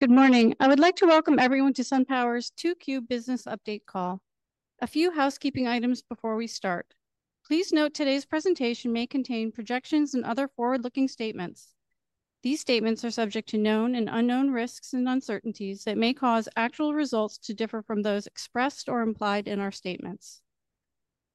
Good morning. I would like to welcome everyone to SunPower's 2Q Business Update call. A few housekeeping items before we start. Please note today's presentation may contain projections and other forward-looking statements. These statements are subject to known and unknown risks and uncertainties that may cause actual results to differ from those expressed or implied in our statements.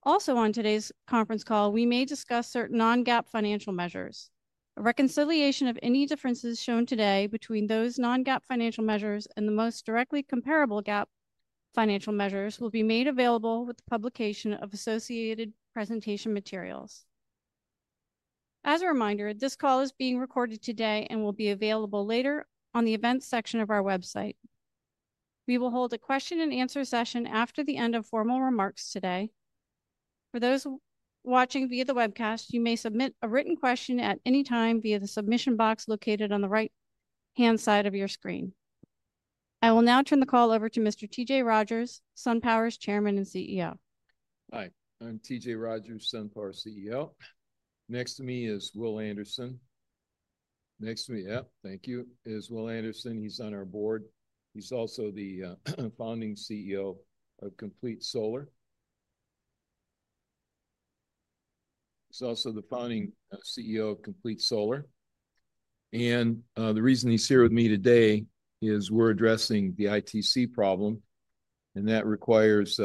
Also, on today's conference call, we may discuss certain non-GAAP financial measures. A reconciliation of any differences shown today between those non-GAAP financial measures and the most directly comparable GAAP financial measures will be made available with the publication of associated presentation materials. As a reminder, this call is being recorded today and will be available later on the events section of our website. We will hold a question-and-answer session after the end of formal remarks today. For those watching via the webcast, you may submit a written question at any time via the submission box located on the right-hand side of your screen. I will now turn the call over to Mr. T.J. Rodgers, SunPower's Chairman and CEO. Hi. I'm T.J. Rodgers, SunPower CEO. Next to me is Will Anderson. Yep, thank you, is Will Anderson. He's on our board. He's also the founding CEO of Complete Solar. And the reason he's here with me today is we're addressing the ITC problem, and that requires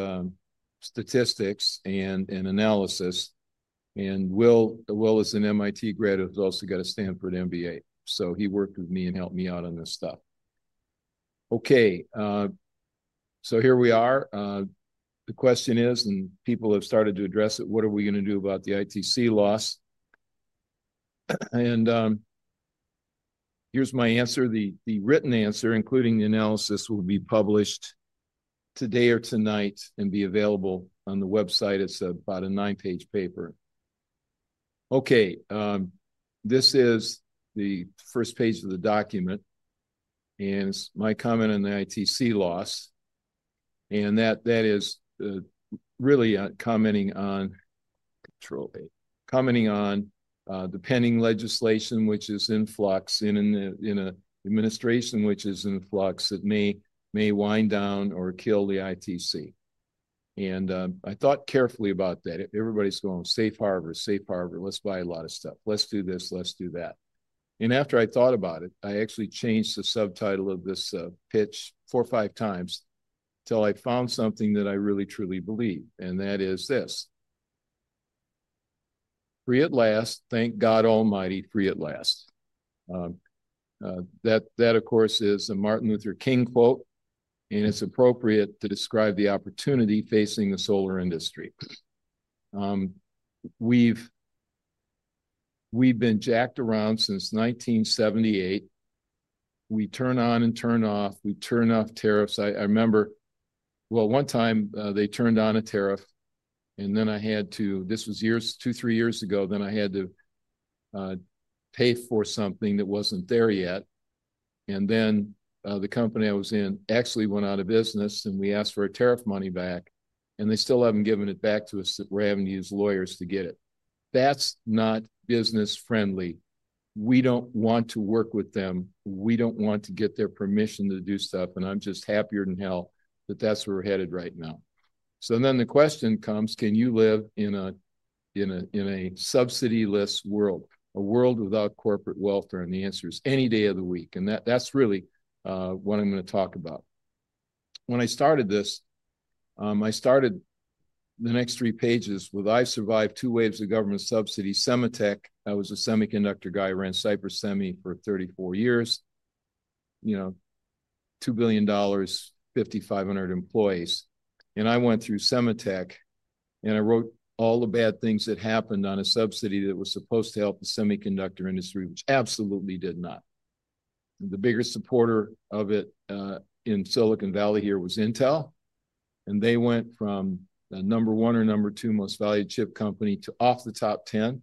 statistics and analysis. Will is an MIT grad who's also got a Stanford MBA, so he worked with me and helped me out on this stuff. Okay, here we are. The question is, and people have started to address it, what are we going to do about the ITC loss? Here's my answer. The written answer, including the analysis, will be published today or tonight and be available on the website. It's about a nine-page paper. Okay, this is the first page of the document, and it's my comment on the ITC loss. That is really commenting on the pending legislation, which is in flux, and in an administration which is in flux that may wind down or kill the ITC. I thought carefully about that. Everybody's going, "Safe harbor, safe harbor. Let's buy a lot of stuff. Let's do this, let's do that." After I thought about it, I actually changed the subtitle of this pitch four or five times until I found something that I really, truly believe. That is this: "Free at last. Thank God Almighty, free at last." That, of course, is a Martin Luther King quote, and it's appropriate to describe the opportunity facing the solar industry. We've been jacked around since 1978. We turn on and turn off. We turn off tariffs. I remember, one time they turned on a tariff, and then I had to—this was two, three years ago—then I had to pay for something that was not there yet. The company I was in actually went out of business, and we asked for our tariff money back, and they still have not given it back to us. We are having to use lawyers to get it. That is not business-friendly. We do not want to work with them. We do not want to get their permission to do stuff. I am just happier than hell that that is where we are headed right now. The question comes, can you live in a subsidy-less world, a world without corporate welfare? The answer is any day of the week. That is really what I am going to talk about. When I started this, I started the next three pages with, "I survived two waves of government subsidy." SEMATECH, I was a semiconductor guy. I ran Cypress semi for 34 years, $2 billion, 5,500 employees. I went through SEMATECH, and I wrote all the bad things that happened on a subsidy that was supposed to help the semiconductor industry, which absolutely did not. The biggest supporter of it in Silicon Valley here was Intel. They went from the number one or number two most valued chip company to off the top 10.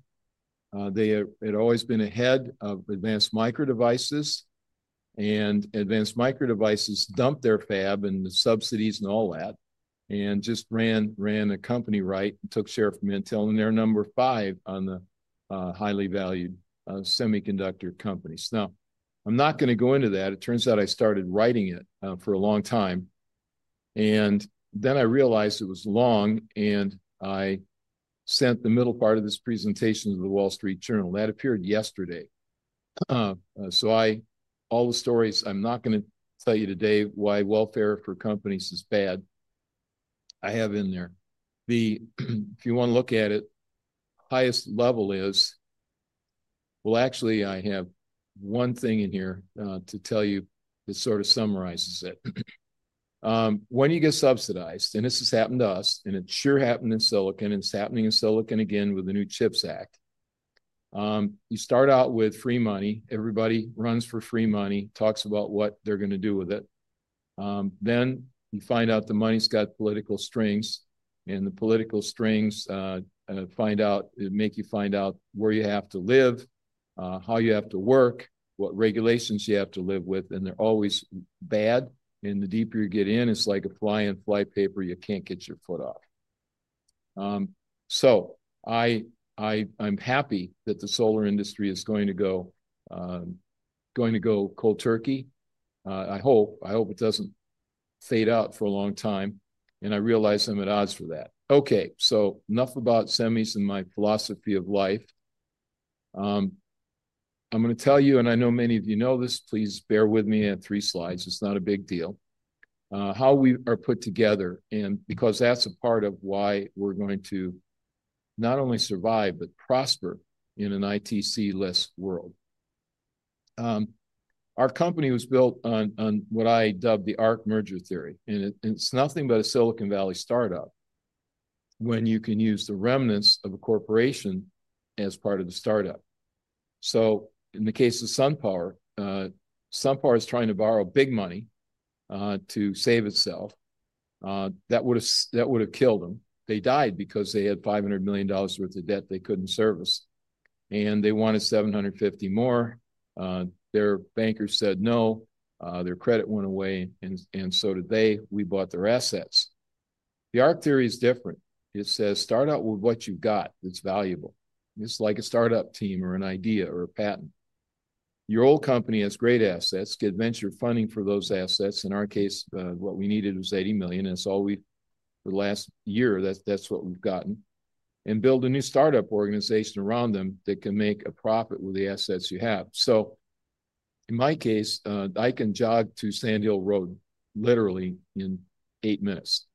They had always been ahead of Advanced Micro Devices. Advanced Micro Devices dumped their fab and the subsidies and all that and just ran a company right and took share from Intel and they are number five on the highly valued semiconductor companies. Now, I'm not going to go into that. It turns out I started writing it for a long time. Then I realized it was long, and I sent the middle part of this presentation to The Wall Street Journal. That appeared yesterday. All the stories I'm not going to tell you today why welfare for companies is bad, I have in there. If you want to look at it, the highest level is—actually, I have one thing in here to tell you that sort of summarizes it. When you get subsidized, and this has happened to us, and it sure happened in Silicon, and it is happening in Silicon again with the new CHIPS Act. You start out with free money. Everybody runs for free money, talks about what they're going to do with it. Then you find out the money's got political strings. The political strings make you find out where you have to live, how you have to work, what regulations you have to live with. They are always bad. The deeper you get in, it is like a fly in flypaper you cannot get your foot off. I am happy that the solar industry is going to go cold turkey. I hope. I hope it does not fade out for a long time. I realize I am at odds for that. Okay, enough about semis and my philosophy of life. I am going to tell you, and I know many of you know this, please bear with me on three slides. It is not a big deal, how we are put together, and because that is a part of why we are going to not only survive but prosper in an ITC-less world. Our company was built on what I dubbed the ARK merger theory. It is nothing but a Silicon Valley startup when you can use the remnants of a corporation as part of the startup. In the case of SunPower, SunPower is trying to borrow big money to save itself. That would have killed them. They died because they had $500 million worth of debt they could not service. They wanted $750 million more. Their banker said, "No." Their credit went away, and so did they. We bought their assets. The ARK theory is different. It says, "Start out with what you have got that is valuable." It is like a startup team or an idea or a patent. Your old company has great assets. Get venture funding for those assets. In our case, what we needed was $80 million, and that is all we have—for the last year, that is what we have gotten. Build a new startup organization around them that can make a profit with the assets you have. In my case, I can jog to Sand Hill Road literally in eight minutes.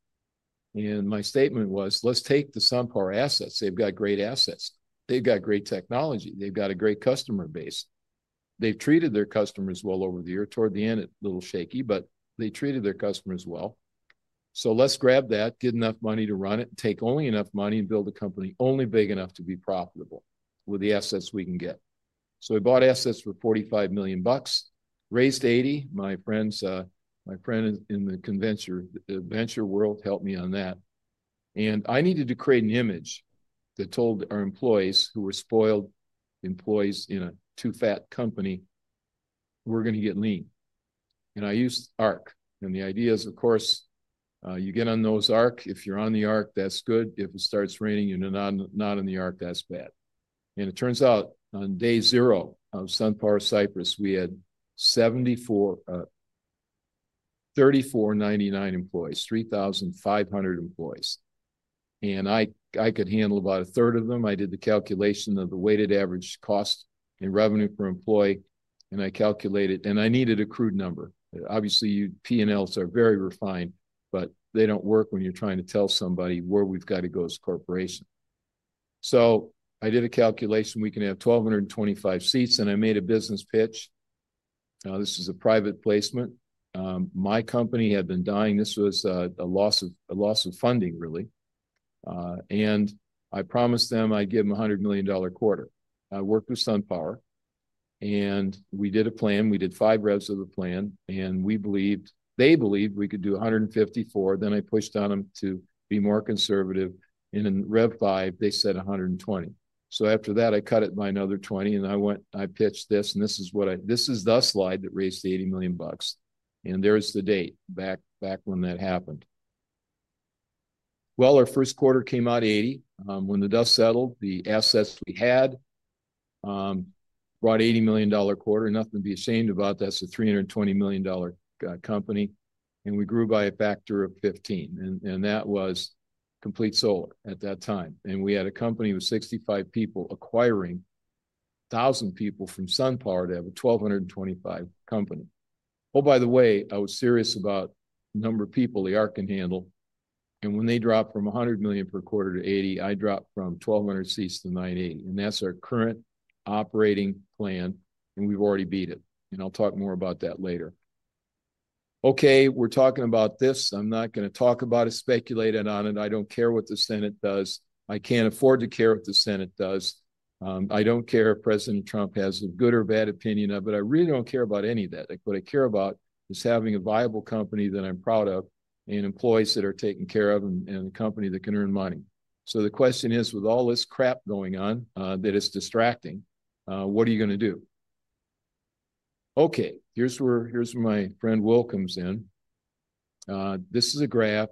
My statement was, "Let's take the SunPower assets. They've got great assets. They've got great technology. They've got a great customer base. They've treated their customers well over the year." Toward the end, it's a little shaky, but they treated their customers well. Let's grab that, get enough money to run it, take only enough money, and build a company only big enough to be profitable with the assets we can get. We bought assets for $45 million, raised $80 million. My friend in the venture world helped me on that. I needed to create an image that told our employees, who were spoiled employees in a too fat company, we're going to get lean. I used ARK. The idea is, of course, you get on those ARK. If you're on the ARK, that's good. If it starts raining and you're not on the ARK, that's bad. It turns out on day zero of SunPower Cyprus, we had 3,499 employees, 3,500 employees. I could handle about a third of them. I did the calculation of the weighted average cost and revenue per employee, and I calculated. I needed a crude number. Obviously, P&Ls are very refined, but they don't work when you're trying to tell somebody where we've got to go as a corporation. I did a calculation. We can have 1,225 seats, and I made a business pitch. Now, this is a private placement. My company had been dying. This was a loss of funding, really. I promised them I'd give them a $100 million quarter. I worked with SunPower. We did a plan. We did five revs of the plan. They believed we could do 154. I pushed on them to be more conservative. In rev five, they said 120. After that, I cut it by another 20. I pitched this. This is the slide that raised the $80 million. There is the date back when that happened. Our first quarter came out 80. When the dust settled, the assets we had brought an $80 million quarter. Nothing to be ashamed about. That is a $320 million company. We grew by a factor of 15. That was Complete Solar at that time. We had a company with 65 people acquiring 1,000 people from SunPower to have a 1,225 company. By the way, I was serious about the number of people the ARK can handle. When they drop from $100 million per quarter to $80 million, I dropped from 1,200 seats to 980. That is our current operating plan. We have already beat it. I will talk more about that later. We are talking about this. I am not going to talk about it, speculate on it. I do not care what the Senate does. I cannot afford to care what the Senate does. I do not care if President Trump has a good or bad opinion of it. I really do not care about any of that. What I care about is having a viable company that I am proud of and employees that are taken care of and a company that can earn money. The question is, with all this crap going on that is distracting, what are you going to do? Okay, here's where my friend Will comes in. This is a graph,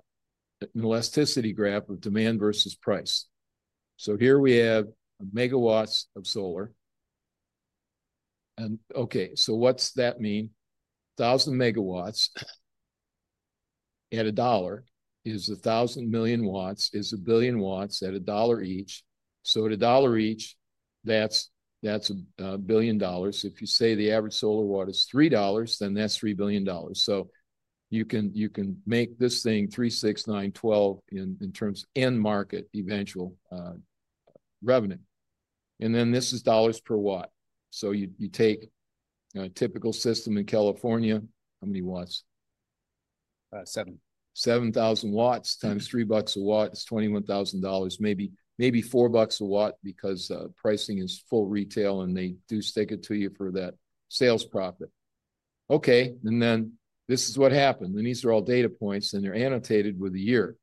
an elasticity graph of demand versus price. Here we have megawatts of solar. Okay, so what's that mean? 1,000 MW at a dollar is 1,000 million watts, is a billion watts at a dollar each. At a dollar each, that's a billion dollars. If you say the average solar watt is $3, then that's $3 billion. You can make this thing 3, 6, 9, 12 in terms of end market eventual revenue. This is dollars per watt. You take a typical system in California. How many watts? Seven. 7,000 W times three bucks a watt is $21,000. Maybe four bucks a watt because pricing is full retail, and they do stick it to you for that sales profit. Okay, this is what happened. These are all data points, and they're annotated with a year.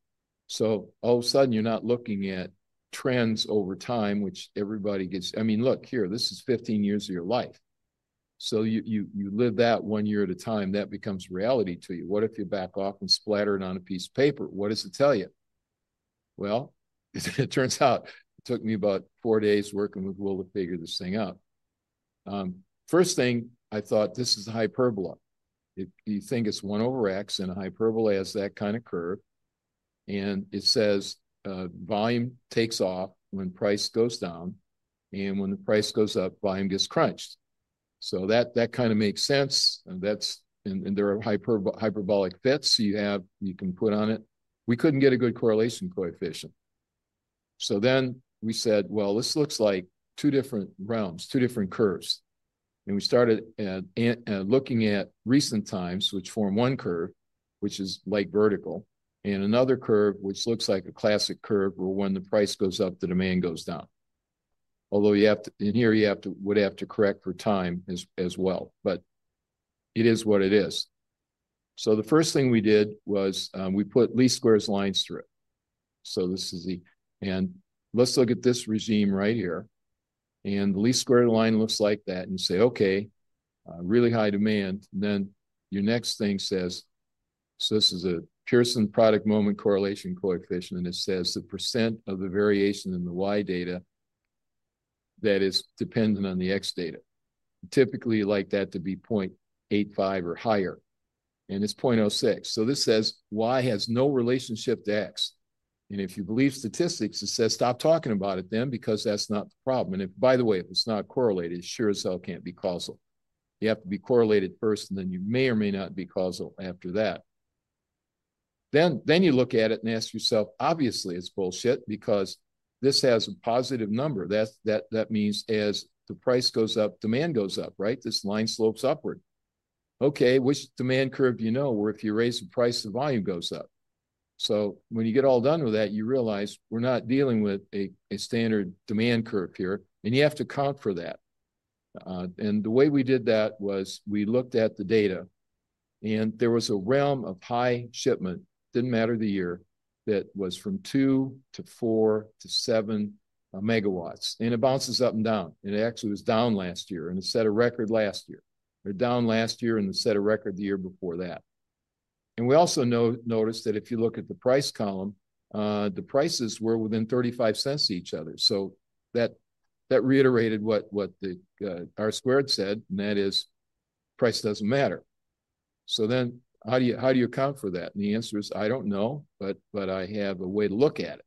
All of a sudden, you're not looking at trends over time, which everybody gets—I mean, look here. This is 15 years of your life. You live that one year at a time. That becomes reality to you. What if you back off and splatter it on a piece of paper? What does it tell you? It turns out it took me about four days working with Will to figure this thing out. First thing, I thought, this is a hyperbola. You think it's one over X, and a hyperbola has that kind of curve. It says volume takes off when price goes down. When the price goes up, volume gets crunched. That kind of makes sense. There are hyperbolic fits you can put on it. We could not get a good correlation coefficient. We said, "This looks like two different realms, two different curves." We started looking at recent times, which form one curve, which is like vertical, and another curve, which looks like a classic curve where when the price goes up, the demand goes down. Although in here, you would have to correct for time as well. It is what it is. The first thing we did was we put least squares lines through it. This is the—let's look at this regime right here. The least square line looks like that. You say, "Okay, really high demand." Your next thing says, this is a Pearson product-moment correlation coefficient. It says the percent of the variation in the Y data that is dependent on the X data. Typically, you like that to be 0.85 or higher. It is 0.06. This says Y has no relationship to X. If you believe statistics, it says, "Stop talking about it then, because that's not the problem." By the way, if it is not correlated, it sure as hell cannot be causal. You have to be correlated first, and then you may or may not be causal after that. You look at it and ask yourself, "Obviously, it is bullshit because this has a positive number." That means as the price goes up, demand goes up, right? This line slopes upward. Okay, which demand curve do you know where if you raise the price, the volume goes up? When you get all done with that, you realize we're not dealing with a standard demand curve here. You have to account for that. The way we did that was we looked at the data. There was a realm of high shipment, didn't matter the year, that was from two to four to seven megawatts. It bounces up and down. It actually was down last year and it set a record the year before that. We also noticed that if you look at the price column, the prices were within 35 cents of each other. That reiterated what our squared said, and that is price doesn't matter. How do you account for that? The answer is, "I don't know, but I have a way to look at it."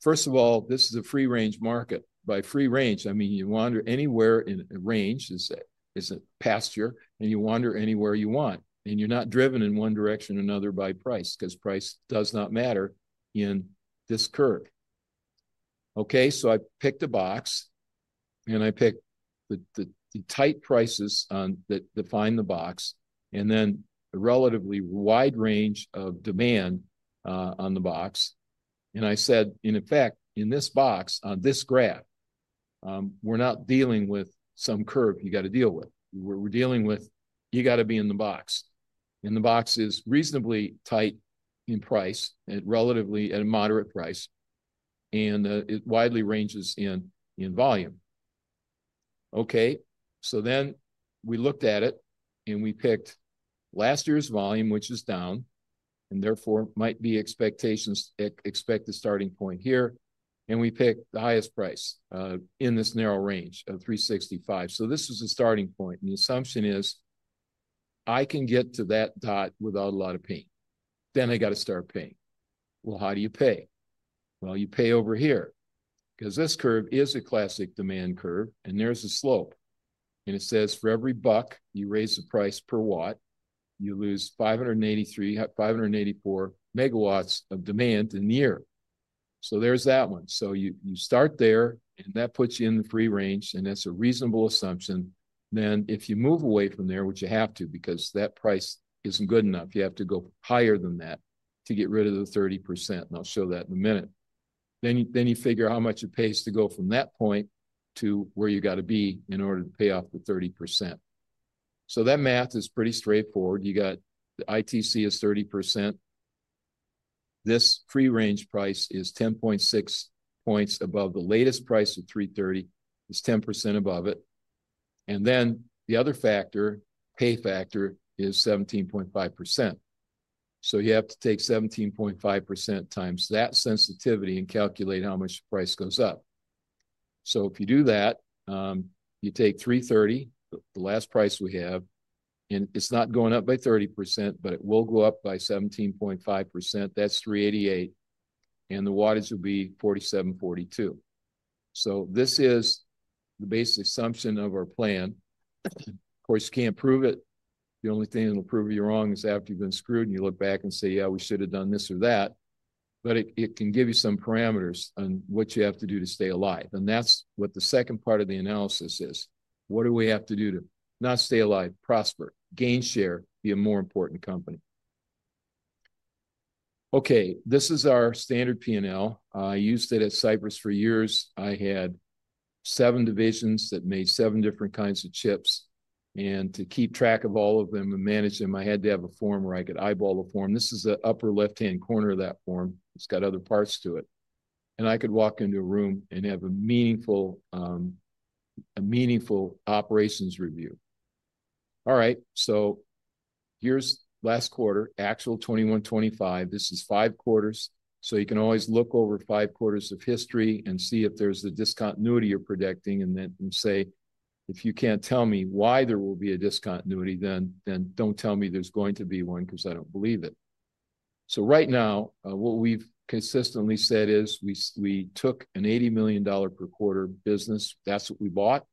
First of all, this is a free-range market. By free range, I mean you wander anywhere in a range. It's a pasture. You wander anywhere you want. You're not driven in one direction or another by price because price does not matter in this curve. I picked a box. I picked the tight prices that define the box and then the relatively wide range of demand on the box. I said, "In effect, in this box, on this graph, we're not dealing with some curve you got to deal with. We're dealing with you got to be in the box." The box is reasonably tight in price at a moderate price. It widely ranges in volume. We looked at it. We picked last year's volume, which is down. Therefore, might be expectations expect the starting point here. We picked the highest price in this narrow range of $3.65. This is the starting point. The assumption is, "I can get to that dot without a lot of pain." I got to start paying. How do you pay? You pay over here, because this curve is a classic demand curve. There is a slope, and it says, "For every buck you raise the price per watt, you lose 584 MW of demand in the year." There is that one. You start there, and that puts you in the free range. That is a reasonable assumption. If you move away from there, which you have to because that price is not good enough, you have to go higher than that to get rid of the 30%. I will show that in a minute. You figure how much it pays to go from that point to where you have to be in order to pay off the 30%. That math is pretty straightforward. You have the ITC is 30%. This free range price is 10.6 points above the latest price of $330. It is 10% above it. The other factor, pay factor, is 17.5%. You have to take 17.5% times that sensitivity and calculate how much the price goes up. If you do that, you take $330, the last price we have, and it is not going up by 30%, but it will go up by 17.5%. That is $388. The wattage will be 4,742. This is the basic assumption of our plan. Of course, you can't prove it. The only thing that'll prove you're wrong is after you've been screwed and you look back and say, "Yeah, we should have done this or that." It can give you some parameters on what you have to do to stay alive. That is what the second part of the analysis is. What do we have to do to not stay alive, prosper, gain share, be a more important company? This is our standard P&L. I used it at Cypress for years. I had seven divisions that made seven different kinds of chips. To keep track of all of them and manage them, I had to have a form where I could eyeball the form. This is the upper left-hand corner of that form. It's got other parts to it. I could walk into a room and have a meaningful operations review. All right, so here's last quarter, actual 2,125. This is five quarters. You can always look over five quarters of history and see if there's a discontinuity you're predicting. Then say, "If you can't tell me why there will be a discontinuity, then don't tell me there's going to be one because I don't believe it." Right now, what we've consistently said is we took an $80 million per quarter business. That's what we bought.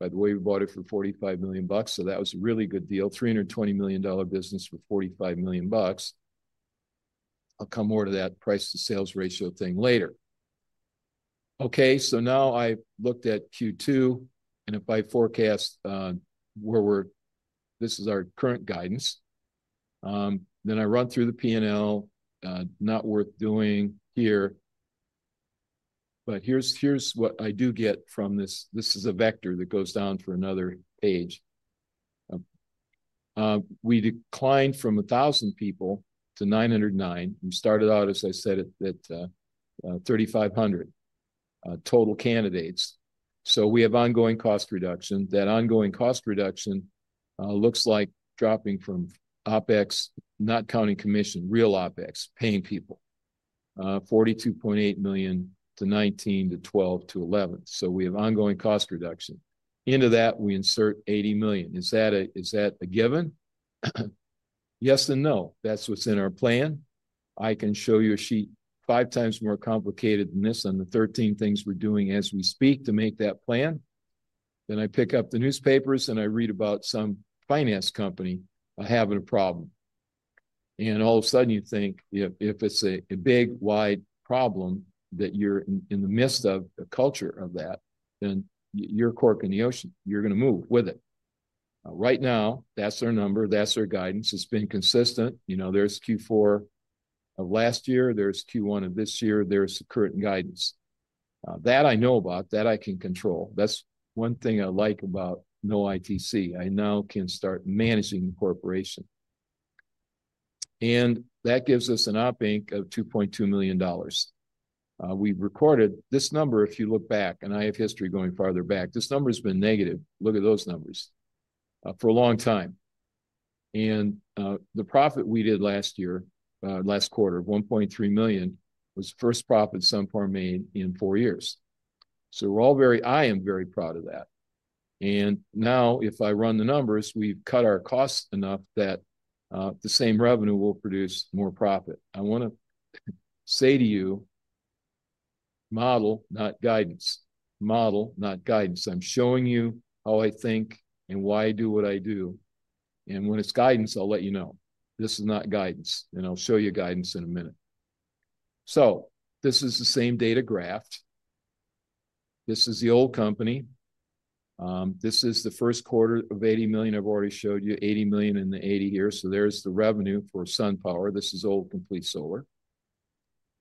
By the way, we bought it for $45 million. That was a really good deal. $320 million business for $45 million. I'll come more to that price-to-sales ratio thing later. Now I looked at Q2. If I forecast where we're—this is our current guidance. Then I run through the P&L. Not worth doing here. Here's what I do get from this. This is a vector that goes down for another page. We declined from 1,000 people to 909. We started out, as I said, at 3,500 total candidates. We have ongoing cost reduction. That ongoing cost reduction looks like dropping from OpEx, not counting commission, real OpEx, paying people, $42.8 million-$19 million-$12 million-$11 million. We have ongoing cost reduction. Into that, we insert $80 million. Is that a given? Yes and no. That's what's in our plan. I can show you a sheet five times more complicated than this on the 13 things we're doing as we speak to make that plan. I pick up the newspapers and I read about some finance company having a problem. All of a sudden, you think if it's a big, wide problem that you're in the midst of a culture of that, then you're a cork in the ocean. You're going to move with it. Right now, that's our number. That's our guidance. It's been consistent. There's Q4 of last year. There's Q1 of this year. There's the current guidance. That I know about. That I can control. That's one thing I like about no ITC. I now can start managing the corporation. That gives us an OPENC of $2.2 million. We've recorded this number if you look back. I have history going farther back. This number has been negative. Look at those numbers for a long time. The profit we did last year, last quarter, $1.3 million was the first profit some firm made in four years. I am very proud of that. Now, if I run the numbers, we've cut our costs enough that the same revenue will produce more profit. I want to say to you, model, not guidance. Model, not guidance. I'm showing you how I think and why I do what I do. When it's guidance, I'll let you know. This is not guidance. I'll show you guidance in a minute. This is the same data graph. This is the old company. This is the first quarter of $80 million. I've already showed you $80 million in the $80 million here. There's the revenue for SunPower. This is old Complete Solar.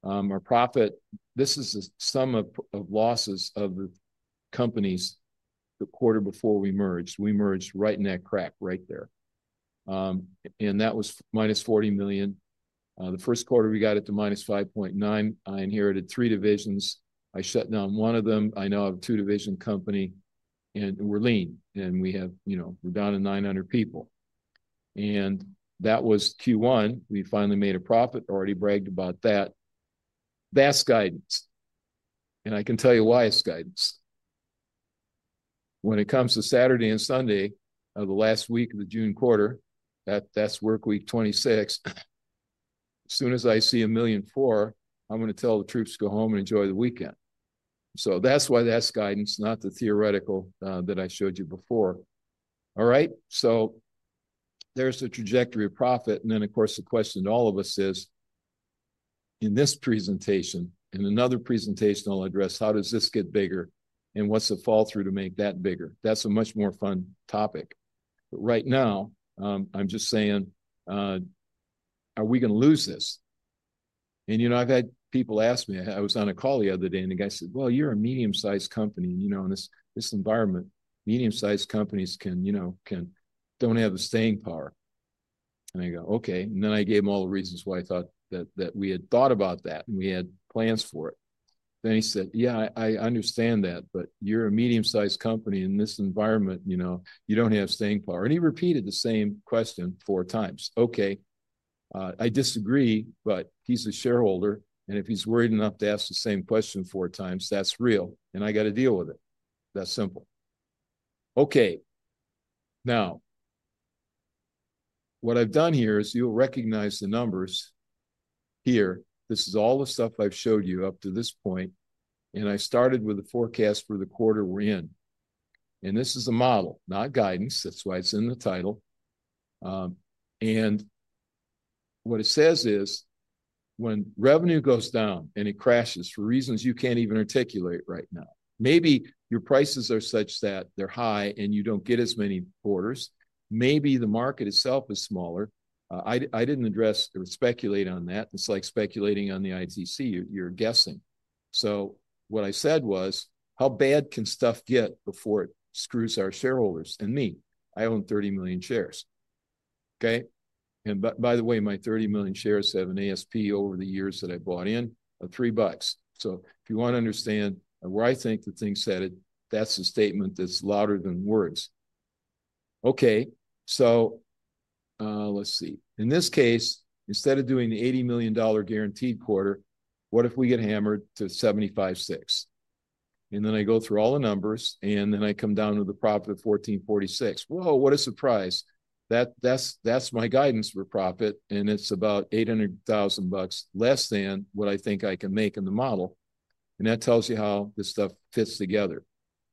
Our profit, this is the sum of losses of the companies the quarter before we merged. We merged right in that crack right there. That was -$40 million. The first quarter, we got it to -$5.9 million. I inherited three divisions. I shut down one of them. I now have a two-division company. We're lean. We're down to 900 people. That was Q1. We finally made a profit. Already bragged about that. That's guidance. I can tell you why it's guidance. When it comes to Saturday and Sunday of the last week of the June quarter, that's work week 26. As soon as I see $1.4 million, I'm going to tell the troops to go home and enjoy the weekend. That's why that's guidance, not the theoretical that I showed you before. All right, there's the trajectory of profit. Of course, the question to all of us is, in this presentation and another presentation, I'll address how does this get bigger and what's the fall through to make that bigger. That's a much more fun topic. Right now, I'm just saying, are we going to lose this? I've had people ask me. I was on a call the other day. The guy said, "You're a medium-sized company. In this environment, medium-sized companies don't have the staying power." I go, "Okay." I gave him all the reasons why I thought that we had thought about that. We had plans for it. He said, "Yeah, I understand that. But you're a medium-sized company. In this environment, you don't have staying power." He repeated the same question four times. I disagree. He's a shareholder. If he's worried enough to ask the same question four times, that's real. I got to deal with it. That's simple. What I've done here is you'll recognize the numbers here. This is all the stuff I've showed you up to this point. I started with the forecast for the quarter we're in. This is a model, not guidance. That's why it's in the title. What it says is, when revenue goes down and it crashes for reasons you can't even articulate right now, maybe your prices are such that they're high and you don't get as many orders. Maybe the market itself is smaller. I didn't address or speculate on that. It's like speculating on the ITC. You're guessing. What I said was, how bad can stuff get before it screws our shareholders and me? I own 30 million shares. Okay? By the way, my 30 million shares have an ASP over the years that I bought in of $3. If you want to understand where I think the thing's headed, that's the statement that's louder than words. Okay, let's see. In this case, instead of doing the $80 million guaranteed quarter, what if we get hammered to $75.6 million? Then I go through all the numbers. Then I come down to the profit of $1,446. Whoa, what a surprise. That's my guidance for profit. It's about $800,000 less than what I think I can make in the model. That tells you how this stuff fits together.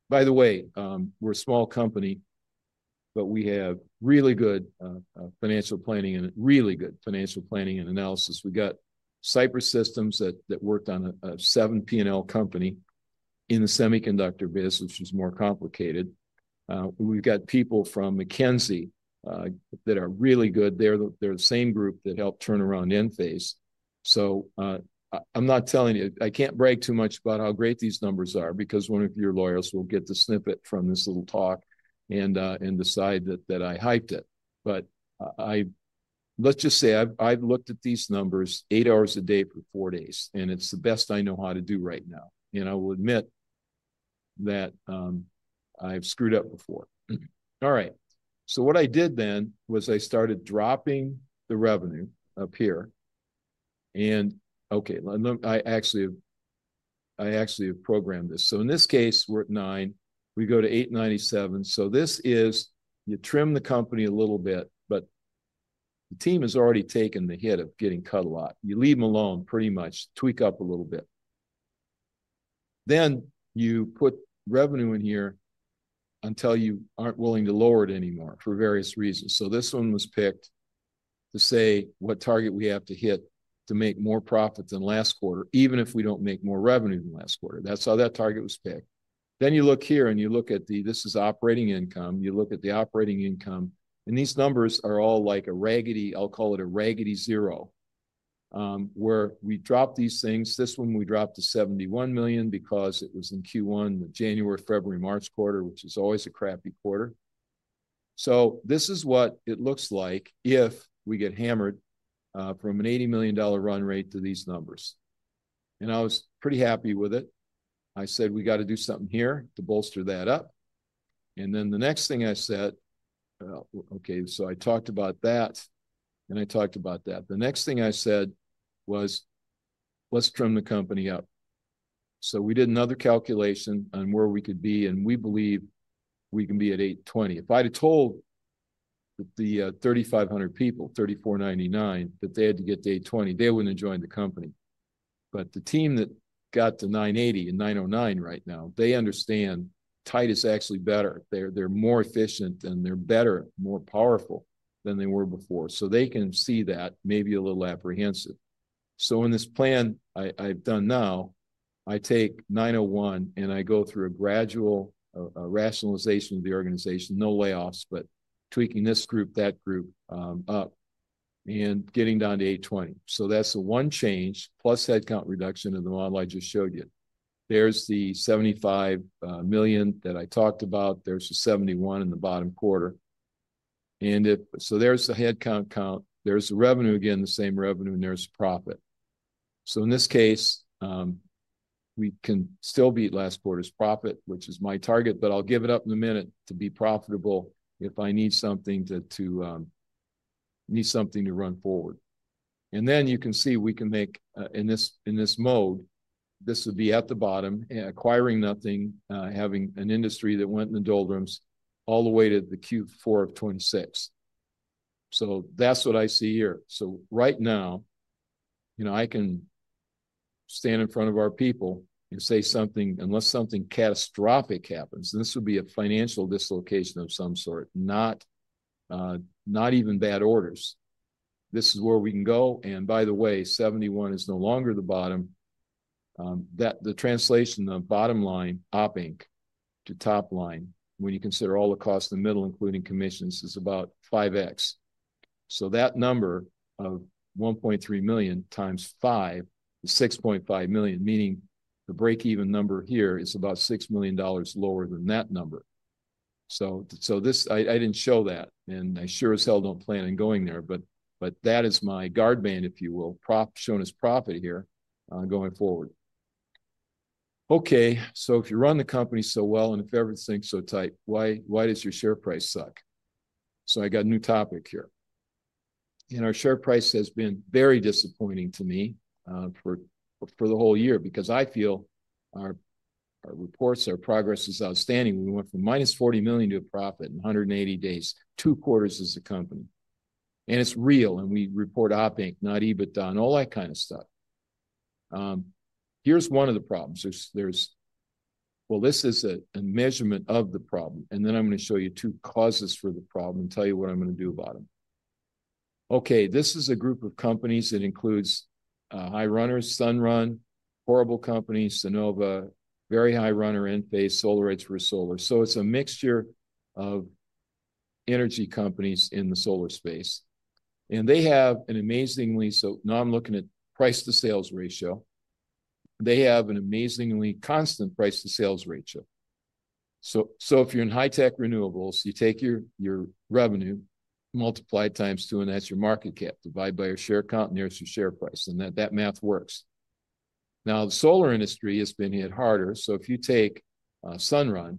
By the way, we're a small company, but we have really good financial planning and really good financial planning and analysis. We got Cypress systems that worked on a seven P&L company in the semiconductor business, which is more complicated. We've got people from McKinsey that are really good. They're the same group that helped turn around Enphase. I'm not telling you. I can't brag too much about how great these numbers are because one of your lawyers will get the snippet from this little talk and decide that I hyped it. Let's just say I've looked at these numbers eight hours a day for four days. It's the best I know how to do right now. I will admit that I've screwed up before. All right, what I did then was I started dropping the revenue up here. I actually have programmed this. In this case, we're at nine. We go to 897. This is you trim the company a little bit. The team has already taken the hit of getting cut a lot. You leave them alone pretty much, tweak up a little bit. You put revenue in here until you aren't willing to lower it anymore for various reasons. This one was picked to say what target we have to hit to make more profit than last quarter, even if we don't make more revenue than last quarter. That's how that target was picked. You look here and you look at the operating income. You look at the operating income. These numbers are all like a raggedy, I'll call it a raggedy zero, where we dropped these things. This one we dropped to $71 million because it was in Q1, the January, February, March quarter, which is always a crappy quarter. This is what it looks like if we get hammered from an $80 million run rate to these numbers. I was pretty happy with it. I said, "We got to do something here to bolster that up." The next thing I said, "Okay, so I talked about that. And I talked about that." The next thing I said was, "Let's trim the company up." We did another calculation on where we could be. We believe we can be at 820. If I had told the 3,500 people, 3,499, that they had to get to 820, they would not have joined the company. The team that got to 980 and 909 right now, they understand tight is actually better. They are more efficient and they are better, more powerful than they were before. They can see that, maybe a little apprehensive. In this plan I've done now, I take 901 and I go through a gradual rationalization of the organization, no layoffs, but tweaking this group, that group up and getting down to 820. That's the one change plus headcount reduction of the model I just showed you. There's the $75 million that I talked about. There's the 71 in the bottom quarter. There's the headcount count. There's the revenue again, the same revenue. There's profit. In this case, we can still beat last quarter's profit, which is my target. I'll give it up in a minute to be profitable if I need something to need something to run forward. You can see we can make in this mode, this would be at the bottom, acquiring nothing, having an industry that went in the doldrums all the way to the Q4 of 2026. That is what I see here. Right now, I can stand in front of our people and say something unless something catastrophic happens. This would be a financial dislocation of some sort, not even bad orders. This is where we can go. By the way, 71 is no longer the bottom. The translation, the bottom line, OPENC to top line, when you consider all the cost in the middle, including commissions, is about 5x. That number of $1.3 million times five is $6.5 million, meaning the break-even number here is about $6 million lower than that number. I did not show that. I sure as hell do not plan on going there. That is my guard band, if you will, shown as profit here going forward. Okay, if you run the company so well and if everything is so tight, why does your share price suck? I have a new topic here. Our share price has been very disappointing to me for the whole year because I feel our reports, our progress is outstanding. We went from -$40 million to a profit in 180 days, two quarters as a company. It is real. We report OPENC, not EBITDA, and all that kind of stuff. Here is one of the problems. This is a measurement of the problem. I am going to show you two causes for the problem and tell you what I am going to do about them. Okay, this is a group of companies that includes High Runner, Sunrun, HORRIBLE COMPANY, Sunnova, very high runner Enphase, SolarEdge for Solar. It is a mixture of energy companies in the solar space. They have an amazingly, so now I'm looking at price-to-sales ratio. They have an amazingly constant price-to-sales ratio. If you're in high-tech renewables, you take your revenue, multiply it times two, and that's your market cap divided by your share count, and there's your share price. That math works. Now, the solar industry has been hit harder. If you take Sunrun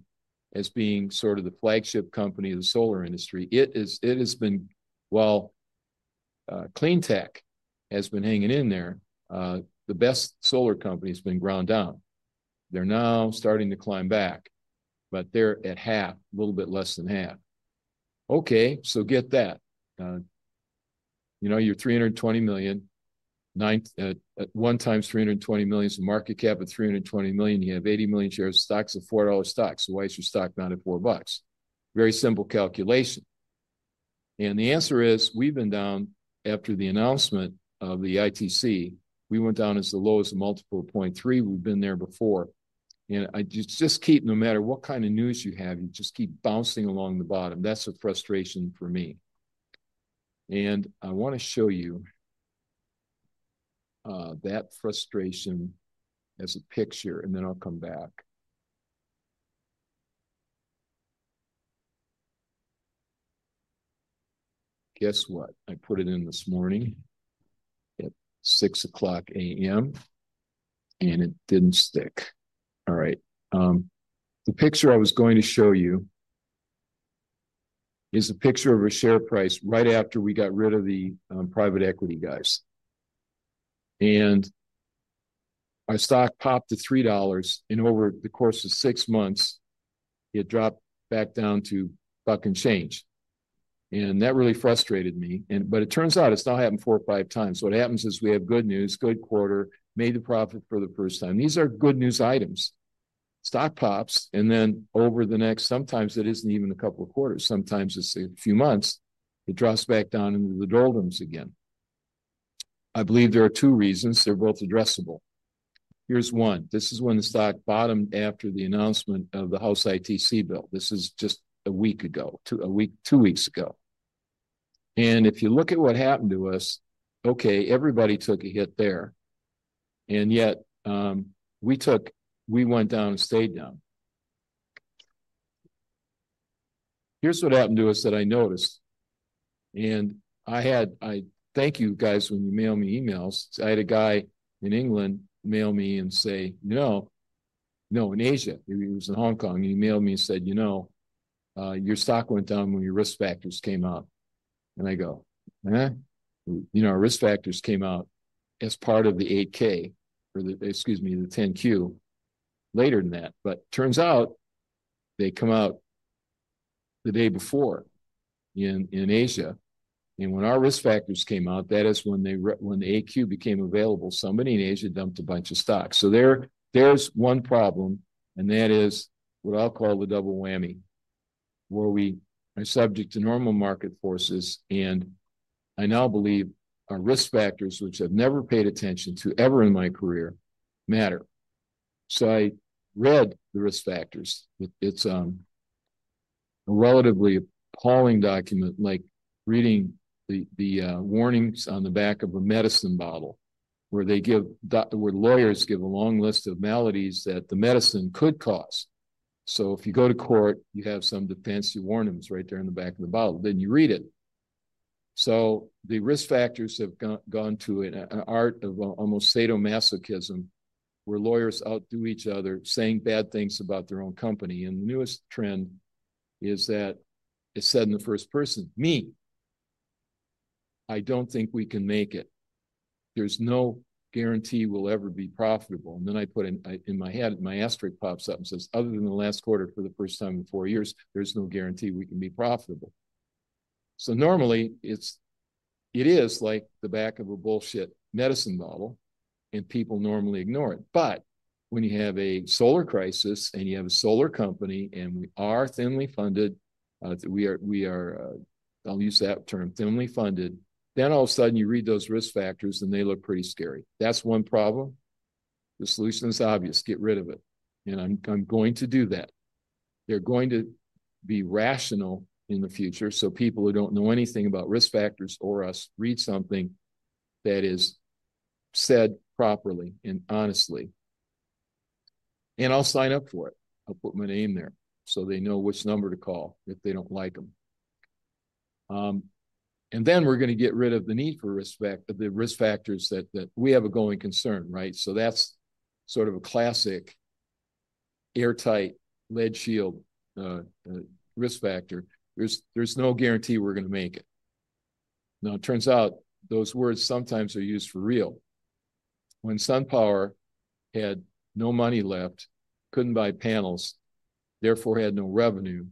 as being sort of the flagship company of the solar industry, it has been, while Cleantech has been hanging in there, the best solar company has been ground down. They're now starting to climb back, but they're at half, a little bit less than half. Okay, so get that. You're $320 million. One times $320 million is a market cap of $320 million. You have 80 million shares, stocks of $4 stocks. Why is your stock down to $4? Very simple calculation. The answer is we've been down after the announcement of the ITC. We went down as the lowest multiple of 0.3. We've been there before. Just keep, no matter what kind of news you have, you just keep bouncing along the bottom. That's a frustration for me. I want to show you that frustration as a picture. Then I'll come back. Guess what? I put it in this morning at 6:00 A.M. It didn't stick. All right. The picture I was going to show you is a picture of a share price right after we got rid of the private equity guys. Our stock popped to $3. Over the course of six months, it dropped back down to a buck and change. That really frustrated me. It turns out it's now happened four or five times. What happens is we have good news, good quarter, made the profit for the first time. These are good news items. Stock pops. Then over the next, sometimes it isn't even a couple of quarters, sometimes it's a few months, it drops back down into the doldrums again. I believe there are two reasons. They're both addressable. Here's one. This is when the stock bottomed after the announcement of the House ITC bill. This is just a week ago, two weeks ago. If you look at what happened to us, everybody took a hit there. Yet we went down and stayed down. Here's what happened to us that I noticed. I thank you guys when you mail me emails. I had a guy in England mail me and say, "No." No, in Asia. He was in Hong Kong. He mailed me and said, "You know, your stock went down when your risk factors came out." I go, "Huh?" Our risk factors came out as part of the 8-K or, excuse me, the 10-Q later than that. It turns out they come out the day before in Asia. When our risk factors came out, that is when the 8-Q became available. Somebody in Asia dumped a bunch of stocks. There is one problem. That is what I will call the double whammy, where we are subject to normal market forces. I now believe our risk factors, which I have never paid attention to ever in my career, matter. I read the risk factors. It's a relatively appalling document, like reading the warnings on the back of a medicine bottle, where lawyers give a long list of maladies that the medicine could cause. If you go to court, you have some defensive warnings right there in the back of the bottle. You read it. The risk factors have gone to an art of almost sadomasochism, where lawyers outdo each other saying bad things about their own company. The newest trend is that it's said in the first person, "Me. I don't think we can make it. There's no guarantee we'll ever be profitable." I put in my head, my asterisk pops up and says, "Other than the last quarter for the first time in four years, there's no guarantee we can be profitable." Normally, it is like the back of a bullshit medicine bottle. People normally ignore it. When you have a solar crisis and you have a solar company and we are thinly funded, I'll use that term, thinly funded, then all of a sudden you read those risk factors and they look pretty scary. That is one problem. The solution is obvious. Get rid of it. I am going to do that. They are going to be rational in the future. People who do not know anything about risk factors or us read something that is said properly and honestly. I will sign up for it. I will put my name there so they know which number to call if they do not like them. We are going to get rid of the need for respect, the risk factors that we have a going concern, right? That is sort of a classic airtight lead shield risk factor. There's no guarantee we're going to make it. Now, it turns out those words sometimes are used for real. When SunPower had no money left, couldn't buy panels, therefore had no revenue,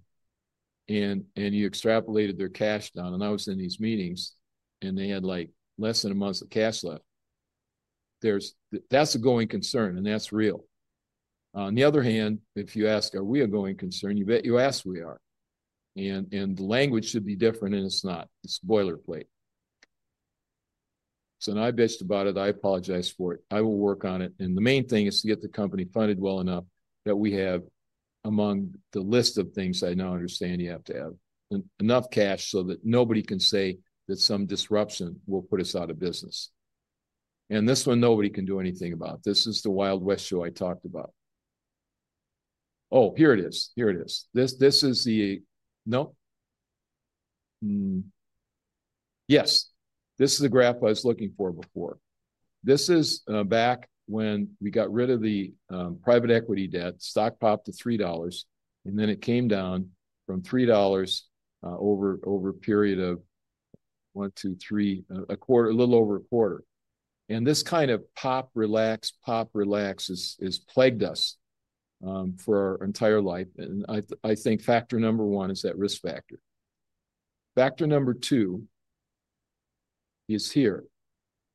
and you extrapolated their cash down. I was in these meetings, and they had less than a month of cash left. That's a going concern, and that's real. On the other hand, if you ask, "Are we a going concern?" You bet you ask we are. The language should be different, and it's not. It's boilerplate. I bitched about it. I apologize for it. I will work on it. The main thing is to get the company funded well enough that we have among the list of things I now understand you have to have enough cash so that nobody can say that some disruption will put us out of business. This one, nobody can do anything about. This is the Wild West show I talked about. Oh, here it is. Here it is. This is the—no? Yes. This is the graph I was looking for before. This is back when we got rid of the private equity debt. Stock popped to $3. Then it came down from $3 over a period of one, two, three, a quarter, a little over a quarter. This kind of pop, relax, pop, relax has plagued us for our entire life. I think factor number one is that risk factor. Factor number two is here.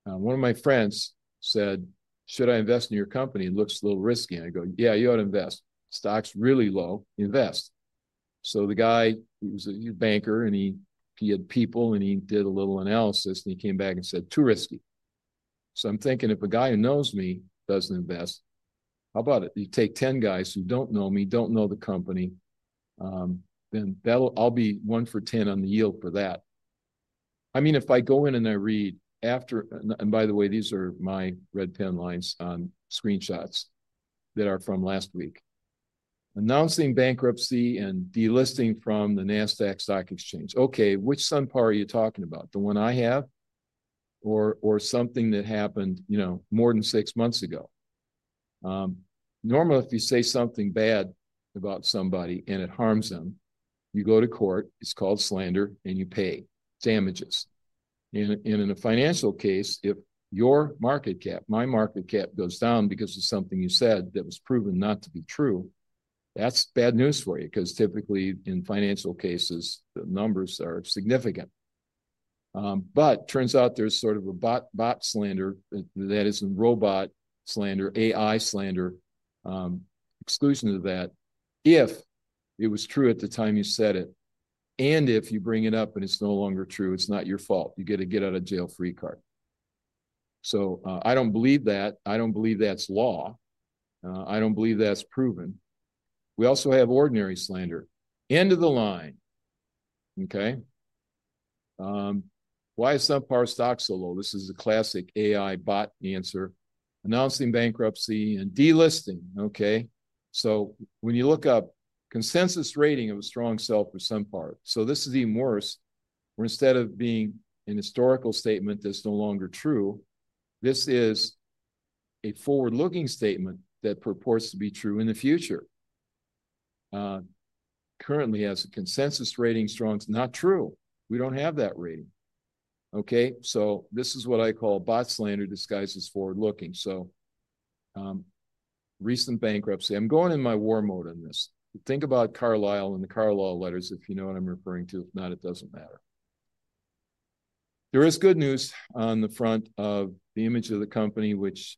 One of my friends said, "Should I invest in your company? It looks a little risky." I go, "Yeah, you ought to invest. Stock's really low. Invest." The guy, he was a banker, and he had people, and he did a little analysis. He came back and said, "Too risky." I'm thinking if a guy who knows me doesn't invest, how about it? You take 10 guys who don't know me, don't know the company, then I'll be one for 10 on the yield for that. I mean, if I go in and I read after, and by the way, these are my red pen lines on screenshots that are from last week, "Announcing bankruptcy and delisting from the Nasdaq Stock Exchange." Okay, which SunPower are you talking about? The one I have or something that happened more than six months ago? Normally, if you say something bad about somebody and it harms them, you go to court. It's called slander, and you pay damages. In a financial case, if your market cap, my market cap goes down because of something you said that was proven not to be true, that's bad news for you because typically in financial cases, the numbers are significant. It turns out there's sort of a bot slander, that is a robot slander, AI slander, exclusion of that if it was true at the time you said it. If you bring it up and it's no longer true, it's not your fault. You get a get out of jail free card. I don't believe that. I don't believe that's law. I don't believe that's proven. We also have ordinary slander. End of the line. Okay? Why is SunPower stock so low? This is a classic AI bot answer. Announcing bankruptcy and delisting. Okay? When you look up consensus rating of a strong sell for SunPower, this is even worse, where instead of being an historical statement that's no longer true, this is a forward-looking statement that purports to be true in the future. Currently, it has a consensus rating strong. It's not true. We don't have that rating. Okay? This is what I call bot slander disguises forward-looking. Recent bankruptcy. I'm going in my war mode on this. Think about Carlyle and the Carlyle Letters if you know what I'm referring to. If not, it doesn't matter. There is good news on the front of the image of the company, which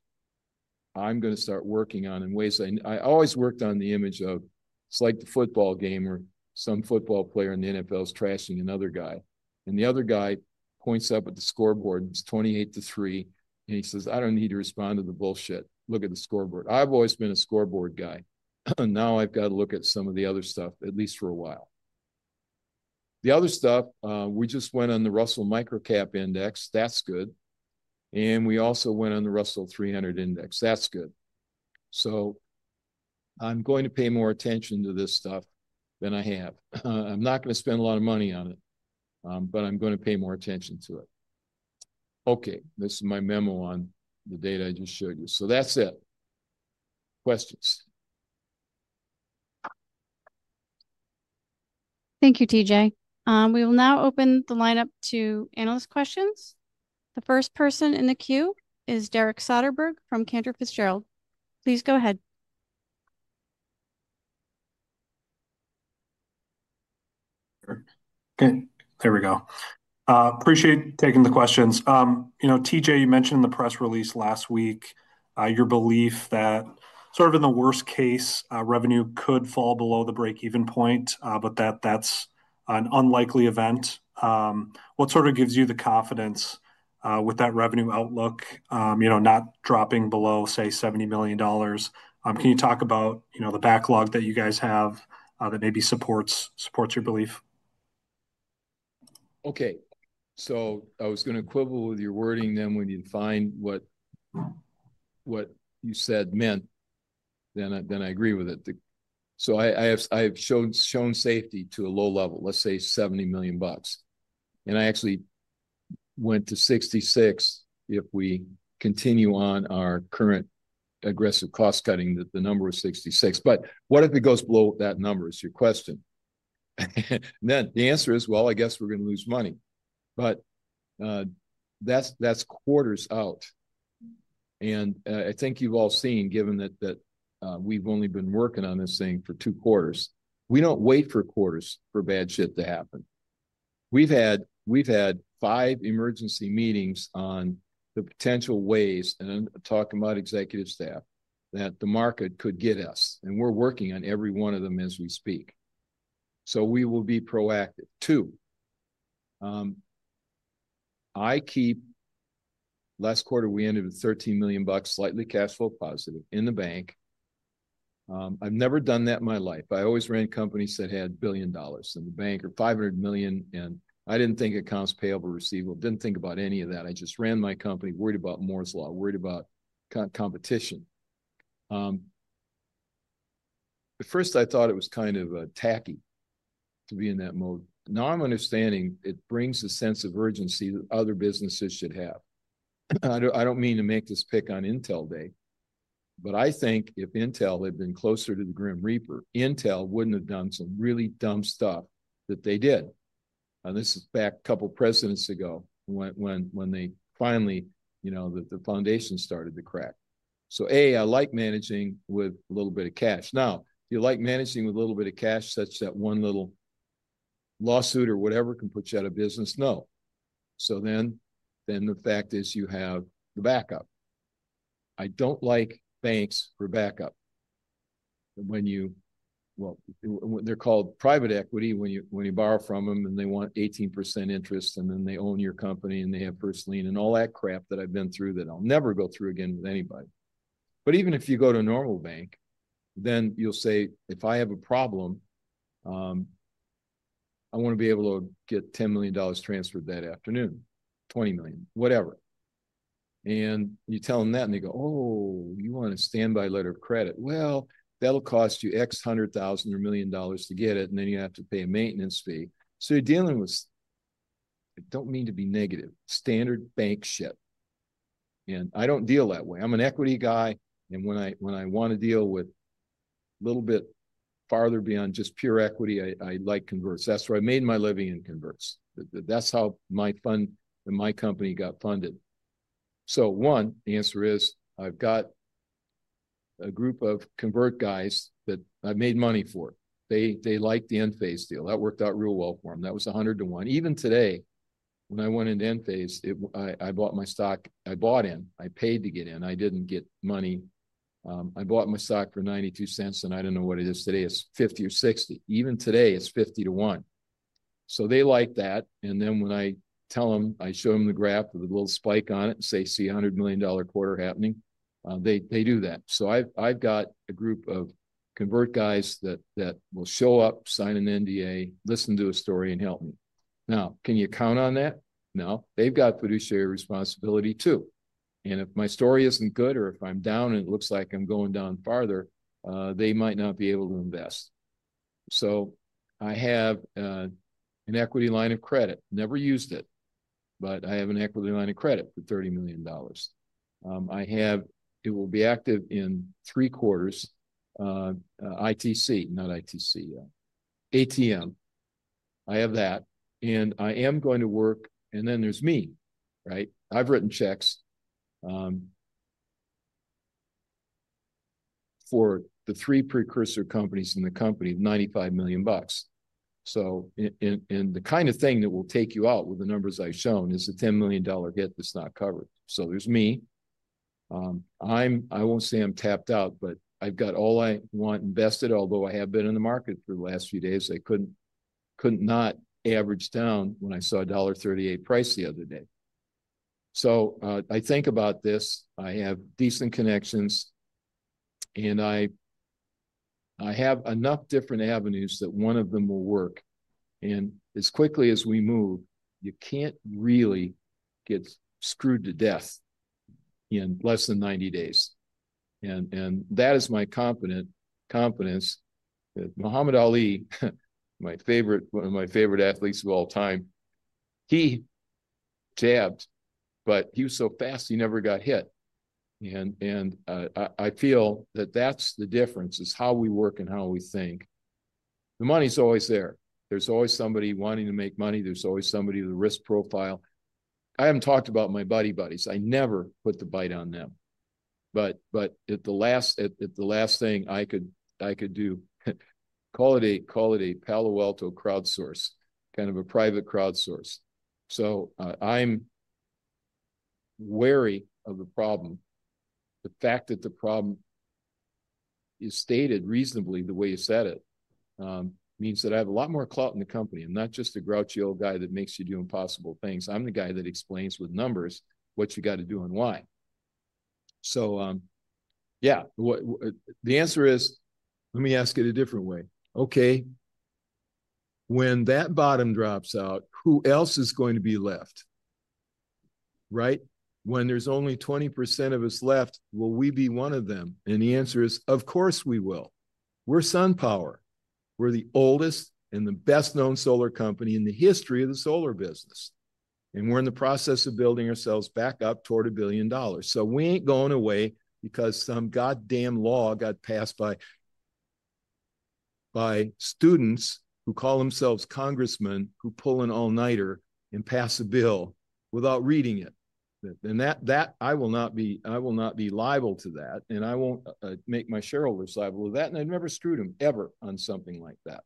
I'm going to start working on in ways I always worked on the image of. It's like the football game where some football player in the NFL is trashing another guy. The other guy points up at the scoreboard. It's 28 to three. He says, "I don't need to respond to the bullshit. Look at the scoreboard." I've always been a scoreboard guy. Now I've got to look at some of the other stuff, at least for a while. The other stuff, we just went on the Russell Microcap Index. That's good. We also went on the Russell 300 Index. That's good. I'm going to pay more attention to this stuff than I have. I'm not going to spend a lot of money on it, but I'm going to pay more attention to it. Okay. This is my memo on the data I just showed you. That's it. Questions. Thank you, T.J.. We will now open the lineup to analyst questions. The first person in the queue is Derek Soderberg from Cantor Fitzgerald. Please go ahead. Okay. There we go. Appreciate taking the questions. T.J., you mentioned in the press release last week your belief that sort of in the worst case, revenue could fall below the break-even point, but that that's an unlikely event. What sort of gives you the confidence with that revenue outlook, not dropping below, say, $70 million? Can you talk about the backlog that you guys have that maybe supports your belief? Okay. So I was going to quibble with your wording then when you find what you said meant, then I agree with it. So I have shown safety to a low level, let's say $70 million. And I actually went to $66 million if we continue on our current aggressive cost cutting, the number was $66 million. But what if it goes below that number, is your question. The answer is, I guess we're going to lose money. That's quarters out. I think you've all seen, given that we've only been working on this thing for two quarters, we don't wait for quarters for bad shit to happen. We've had five emergency meetings on the potential ways, and I'm talking about executive staff, that the market could get us. We're working on every one of them as we speak. We will be proactive. I keep last quarter we ended with $13 million, slightly cash flow positive in the bank. I've never done that in my life. I always ran companies that had a billion dollars in the bank or $500 million. I didn't think accounts payable receivable, didn't think about any of that. I just ran my company, worried about Moore's Law, worried about competition. At first, I thought it was kind of tacky to be in that mode. Now I'm understanding it brings a sense of urgency that other businesses should have. I don't mean to make this pick on Intel Day, but I think if Intel had been closer to the grim reaper, Intel wouldn't have done some really dumb stuff that they did. This is back a couple of presidents ago when they finally, the foundation started to crack. A, I like managing with a little bit of cash. Now, do you like managing with a little bit of cash such that one little lawsuit or whatever can put you out of business? No. The fact is you have the backup. I don't like banks for backup. They're called private equity when you borrow from them, and they want 18% interest, and then they own your company, and they have first lien and all that crap that I've been through that I'll never go through again with anybody. Even if you go to a normal bank, then you'll say, "If I have a problem, I want to be able to get $10 million transferred that afternoon, $20 million, whatever." You tell them that, and they go, "Oh, you want a standby letter of credit? That'll cost you X hundred thousand or million dollars to get it, and then you have to pay a maintenance fee." You're dealing with, I don't mean to be negative, standard bank shit. I don't deal that way. I'm an equity guy. When I want to deal with a little bit farther beyond just pure equity, I like Converts. That is where I made my living, in Converts. That is how my fund and my company got funded. One answer is I have got a group of Convert guys that I have made money for. They liked the Enphase deal. That worked out real well for them. That was 100 to one. Even today, when I went into Enphase, I bought my stock. I bought in. I paid to get in. I did not get money. I bought my stock for 92 cents, and I do not know what it is today. It is 50 or 60. Even today, it is 50 to one. They like that. When I tell them, I show them the graph with a little spike on it and say, "See a $100 million quarter happening," they do that. I've got a group of Convert guys that will show up, sign an NDA, listen to a story, and help me. Now, can you count on that? No. They've got fiduciary responsibility too. If my story isn't good or if I'm down and it looks like I'm going down farther, they might not be able to invest. I have an equity line of credit. Never used it, but I have an equity line of credit for $30 million. It will be active in three quarters. ITC, not ITC, ATM. I have that. I am going to work. Then there's me, right? I've written checks for the three precursor companies in the company of $95 million. The kind of thing that will take you out with the numbers I've shown is a $10 million hit that's not covered. There's me. I won't say I'm tapped out, but I've got all I want invested, although I have been in the market for the last few days. I couldn't not average down when I saw $1.38 price the other day. I think about this. I have decent connections, and I have enough different avenues that one of them will work. As quickly as we move, you can't really get screwed to death in less than 90 days. That is my confidence that Muhammad Ali, one of my favorite athletes of all time, he jabbed, but he was so fast he never got hit. I feel that that's the difference, is how we work and how we think. The money's always there. There's always somebody wanting to make money. There's always somebody with a risk profile. I haven't talked about my buddy buddies. I never put the bite on them. At the last thing I could do, call it a Palo Alto crowdsource, kind of a private crowdsource. I am wary of the problem. The fact that the problem is stated reasonably the way you said it means that I have a lot more clout in the company. I am not just a grouchy old guy that makes you do impossible things. I am the guy that explains with numbers what you got to do and why. Yeah, the answer is, let me ask it a different way. Okay. When that bottom drops out, who else is going to be left? Right? When there is only 20% of us left, will we be one of them? The answer is, of course we will. We are SunPower. We are the oldest and the best-known solar company in the history of the solar business. We're in the process of building ourselves back up toward a billion dollars. We ain't going away because some goddamn law got passed by students who call themselves congressmen who pull an all-nighter and pass a bill without reading it. I will not be liable to that. I won't make my shareholders liable to that. I've never screwed them ever on something like that.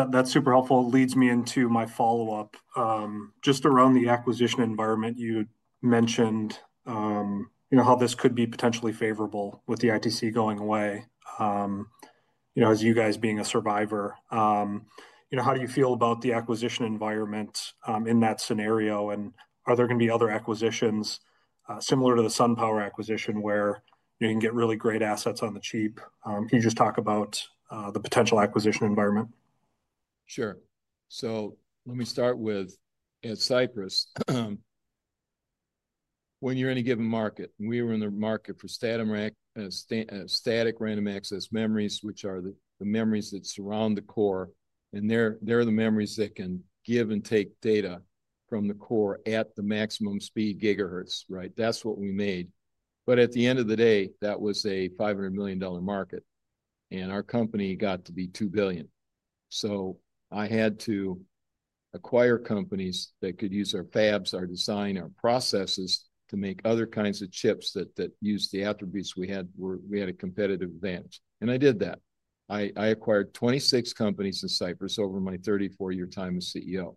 That's super helpful. It leads me into my follow-up. Just around the acquisition environment, you mentioned how this could be potentially favorable with the ITC going away as you guys being a survivor. How do you feel about the acquisition environment in that scenario? Are there going to be other acquisitions similar to the SunPower acquisition where you can get really great assets on the cheap? Can you just talk about the potential acquisition environment? Sure. Let me start with, at Cypress, when you're in a given market, we were in the market for static random access memories, which are the memories that surround the core. They're the memories that can give and take data from the core at the maximum speed, gigahertz, right? That's what we made. At the end of the day, that was a $500 million market. Our company got to be $2 billion. I had to acquire companies that could use our fabs, our design, our processes to make other kinds of chips that used the attributes we had. We had a competitive advantage. I did that. I acquired 26 companies in Cypress over my 34-year time as CEO.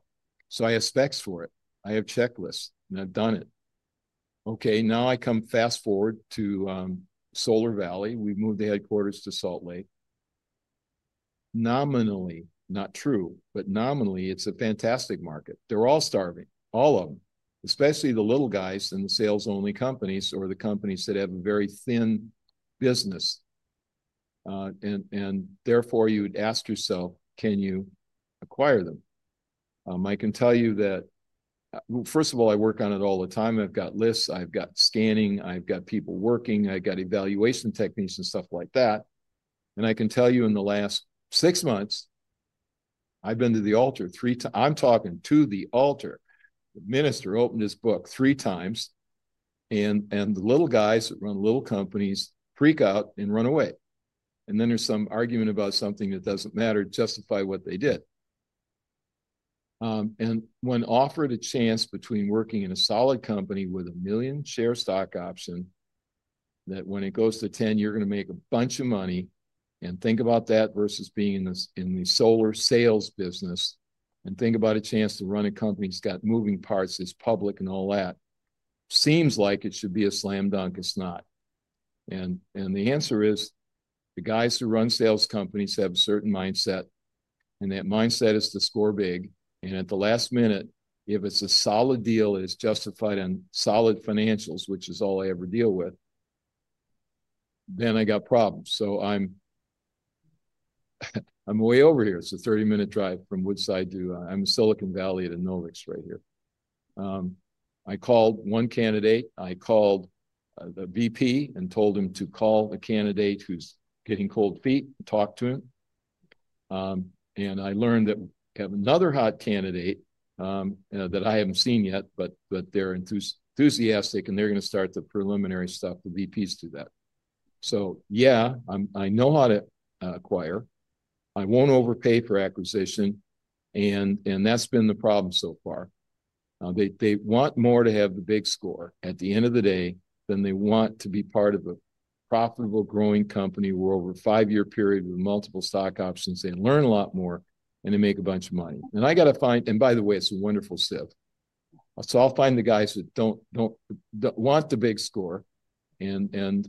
I have specs for it. I have checklists. I've done it. Okay. Now I come fast forward to Solar Valley. We moved the headquarters to Salt Lake. Nominally, not true, but nominally, it's a fantastic market. They're all starving. All of them, especially the little guys in the sales-only companies or the companies that have a very thin business. Therefore, you'd ask yourself, can you acquire them? I can tell you that, first of all, I work on it all the time. I've got lists. I've got scanning. I've got people working. I've got evaluation techniques and stuff like that. I can tell you in the last six months, I've been to the altar three times. I'm talking to the altar. The minister opened his book three times. The little guys that run little companies freak out and run away. Then there's some argument about something that doesn't matter to justify what they did. When offered a chance between working in a solid company with a million share stock option that when it goes to 10, you're going to make a bunch of money, and think about that versus being in the solar sales business, and think about a chance to run a company that's got moving parts, it's public and all that, seems like it should be a slam dunk. It's not. The answer is the guys who run sales companies have a certain mindset. That mindset is to score big. At the last minute, if it's a solid deal that is justified in solid financials, which is all I ever deal with, then I got problems. I'm way over here. It's a 30-minute drive from Woodside to, I'm in Silicon Valley at Enovix right here. I called one candidate. I called the VP and told him to call a candidate who's getting cold feet and talk to him. I learned that I have another hot candidate that I haven't seen yet, but they're enthusiastic, and they're going to start the preliminary stuff. The VPs do that. Yeah, I know how to acquire. I won't overpay for acquisition. That's been the problem so far. They want more to have the big score at the end of the day than they want to be part of a profitable, growing company where over a five-year period with multiple stock options, they learn a lot more and they make a bunch of money. I got to find and by the way, it's a wonderful SIV. I'll find the guys that don't want the big score. I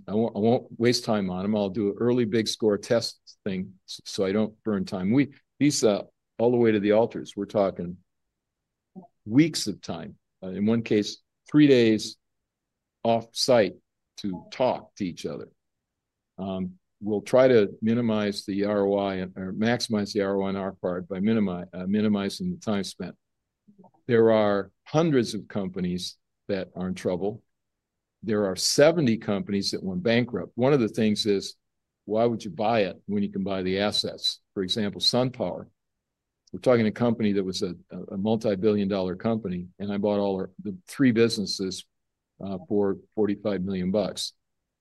won't waste time on them. I'll do an early big score test thing so I don't burn time. These all the way to the altars, we're talking weeks of time. In one case, three days off-site to talk to each other. We'll try to minimize the ROI or maximize the ROI on our part by minimizing the time spent. There are hundreds of companies that are in trouble. There are 70 companies that went bankrupt. One of the things is, why would you buy it when you can buy the assets? For example, SunPower. We're talking a company that was a multi-billion dollar company, and I bought all the three businesses for $45 million.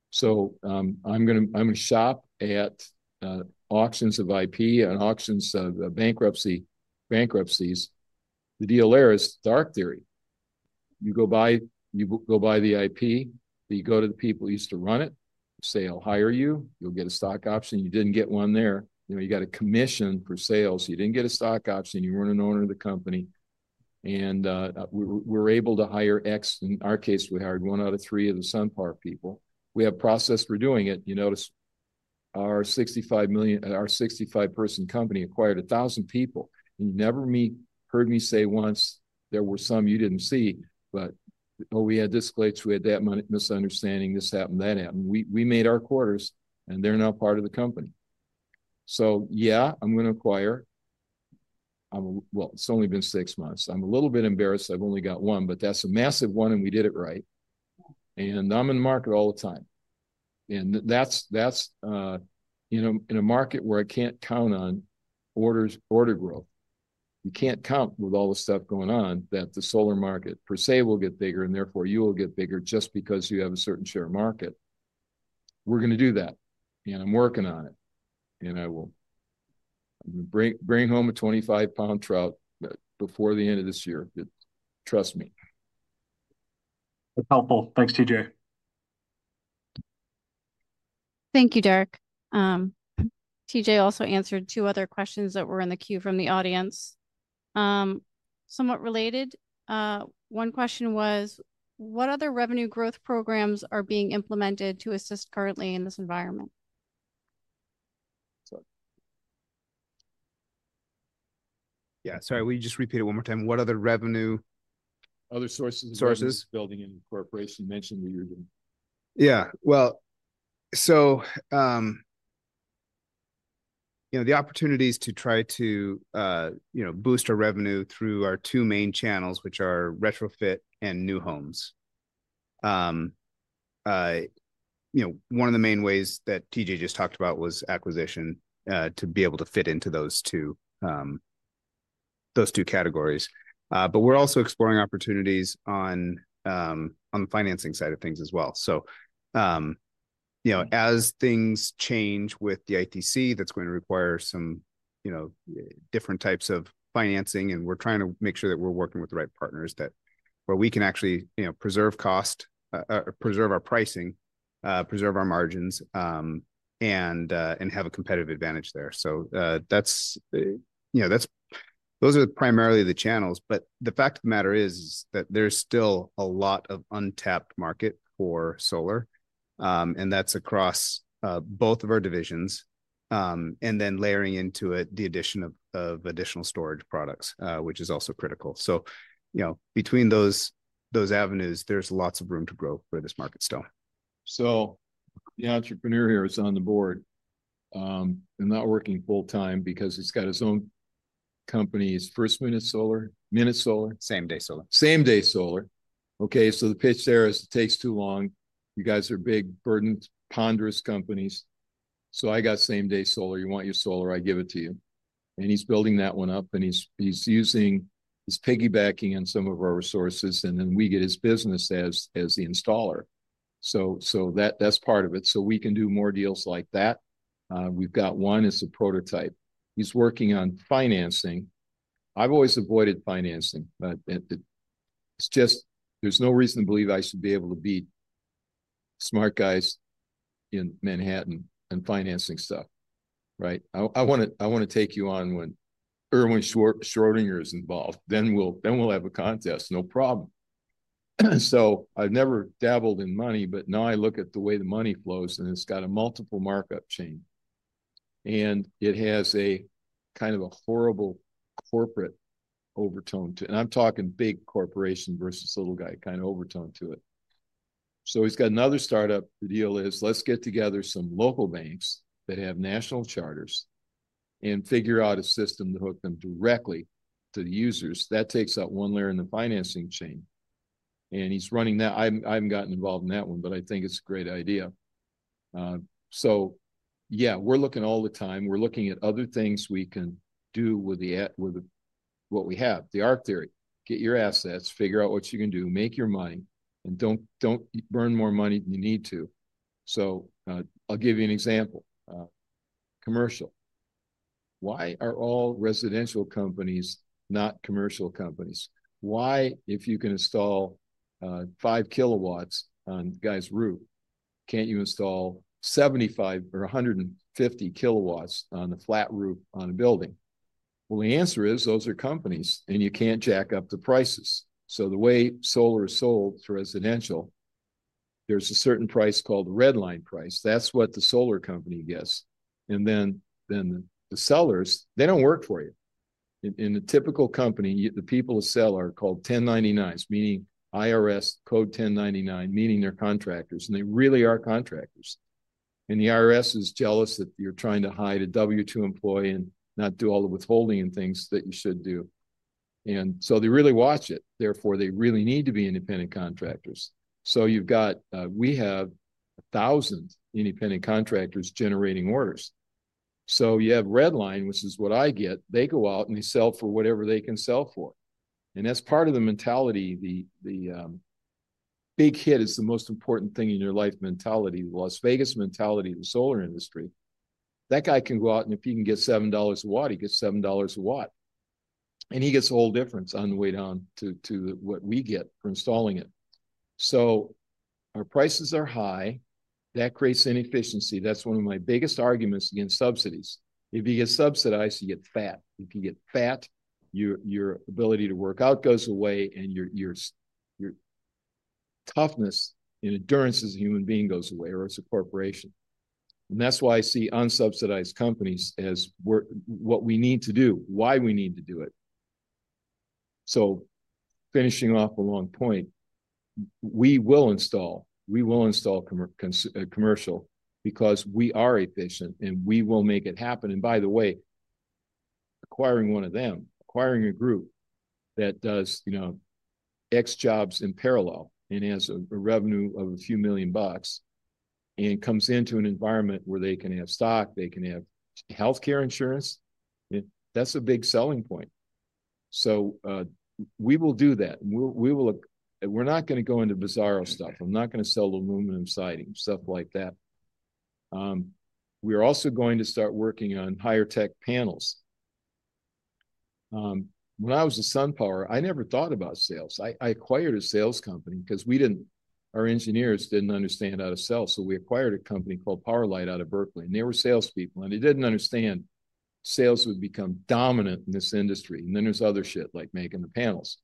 So I'm going to shop at auctions of IP and auctions of bankruptcies. The deal there is dark theory. You go buy the IP, you go to the people who used to run it, say, "I'll hire you. You'll get a stock option." You didn't get one there. You got a commission for sales. You didn't get a stock option. You weren't an owner of the company. We were able to hire X. In our case, we hired one out of three of the SunPower people. We have processes for doing it. You notice our 65-person company acquired 1,000 people. You never heard me say once, "There were some you didn't see," but, "Oh, we had this glitch. We had that misunderstanding. This happened, that happened." We made our quarters, and they are now part of the company. Yeah, I am going to acquire. It has only been six months. I am a little bit embarrassed. I have only got one, but that is a massive one, and we did it right. I am in the market all the time. That is in a market where I cannot count on order growth. You cannot count with all the stuff going on that the solar market per se will get bigger, and therefore you will get bigger just because you have a certain share of market. We are going to do that. I am working on it. I will bring home a 25 lb trout before the end of this year. Trust me. That is helpful. Thanks, T.J.. Thank you, Derek. T.J. also answered two other questions that were in the queue from the audience, somewhat related. One question was, what other revenue growth programs are being implemented to assist currently in this environment? Yeah. Sorry, will you just repeat it one more time? What other revenue? Sources. Sources? Building and corporation mentioned that you are doing. Yeah. The opportunities to try to boost our revenue are through our two main channels, which are retrofit and new homes. One of the main ways that T.J. just talked about was acquisition to be able to fit into those two categories. We are also exploring opportunities on the financing side of things as well. As things change with the ITC, that is going to require some different types of financing. We are trying to make sure that we are working with the right partners where we can actually preserve cost, preserve our pricing, preserve our margins, and have a competitive advantage there. Those are primarily the channels. The fact of the matter is that there is still a lot of untapped market for solar, and that is across both of our divisions. Layering into it, the addition of additional storage products is also critical. Between those avenues, there's lots of room to grow for this market still. The entrepreneur here is on the board. I'm not working full-time because he's got his own company. He's first minute solar, minute solar. SameDay Solar. SameDay Solar. Okay. The pitch there is it takes too long. You guys are big, burdensome, ponderous companies. I got SameDay Solar. You want your solar, I give it to you. He's building that one up. He's piggybacking on some of our resources. Then we get his business as the installer. That's part of it. We can do more deals like that. We've got one as a prototype. He's working on financing. I've always avoided financing. There's no reason to believe I should be able to beat smart guys in Manhattan in financing stuff, right? I want to take you on when Erwin Schrödinger is involved. Then we'll have a contest. No problem. So I've never dabbled in money, but now I look at the way the money flows, and it's got a multiple markup chain. And it has a kind of a horrible corporate overtone to it. And I'm talking big corporation versus little guy kind of overtone to it. So he's got another startup. The deal is let's get together some local banks that have national charters and figure out a system to hook them directly to the users. That takes out one layer in the financing chain. And he's running that. I haven't gotten involved in that one, but I think it's a great idea. So yeah, we're looking all the time. We're looking at other things we can do with what we have, the arc theory. Get your assets, figure out what you can do, make your money, and don't burn more money than you need to. I'll give you an example. Commercial. Why are all residential companies not commercial companies? If you can install 5 kw on a guy's roof, can't you install 75 kw or 150 kw on the flat roof on a building? The answer is those are companies, and you can't jack up the prices. The way solar is sold to residential, there's a certain price called the red line price. That's what the solar company gets. The sellers, they don't work for you. In a typical company, the people who sell are called 1099s, meaning IRS code 1099, meaning they're contractors. They really are contractors. The IRS is jealous that you're trying to hide a W-2 employee and not do all the withholding and things that you should do. They really watch it. Therefore, they really need to be independent contractors. We have 1,000 independent contractors generating orders. You have red line, which is what I get. They go out and they sell for whatever they can sell for. That's part of the mentality. The big hit is the most important thing in your life mentality, the Vegas mentality of the solar industry. That guy can go out, and if he can get $7 a watt, he gets $7 a watt. He gets a whole difference on the way down to what we get for installing it. Our prices are high. That creates inefficiency. That's one of my biggest arguments against subsidies. If you get subsidized, you get fat. If you get fat, your ability to work out goes away, and your toughness and endurance as a human being goes away, or as a corporation. That is why I see unsubsidized companies as what we need to do, why we need to do it. Finishing off a long point, we will install. We will install commercial because we are efficient, and we will make it happen. By the way, acquiring one of them, acquiring a group that does X jobs in parallel and has a revenue of a few million bucks and comes into an environment where they can have stock, they can have healthcare insurance, that is a big selling point. We will do that. We are not going to go into bizarro stuff. I am not going to sell aluminum siding, stuff like that. We're also going to start working on higher tech panels. When I was at SunPower, I never thought about sales. I acquired a sales company because our engineers didn't understand how to sell. So we acquired a company called PowerLight out of Berkeley. They were salespeople. They didn't understand sales would become dominant in this industry. Then there's other shit like making the panels.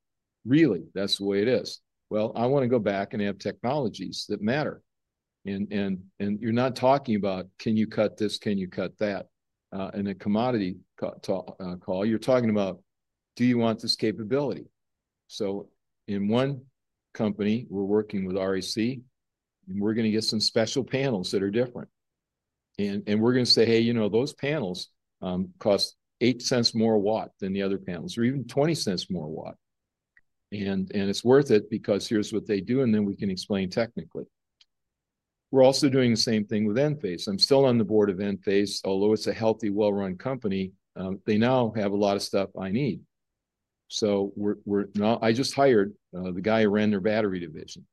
Really, that's the way it is. I want to go back and have technologies that matter. You're not talking about, can you cut this, can you cut that in a commodity call. You're talking about, do you want this capability? In one company, we're working with REC, and we're going to get some special panels that are different. We're going to say, hey, those panels cost eight cents more a watt than the other panels or even 20 cents more a watt. It's worth it because here's what they do, and then we can explain technically. We're also doing the same thing with Enphase. I'm still on the Board of Enphase, although it's a healthy, well-run company. They now have a lot of stuff I need. I just hired the guy who ran their battery division.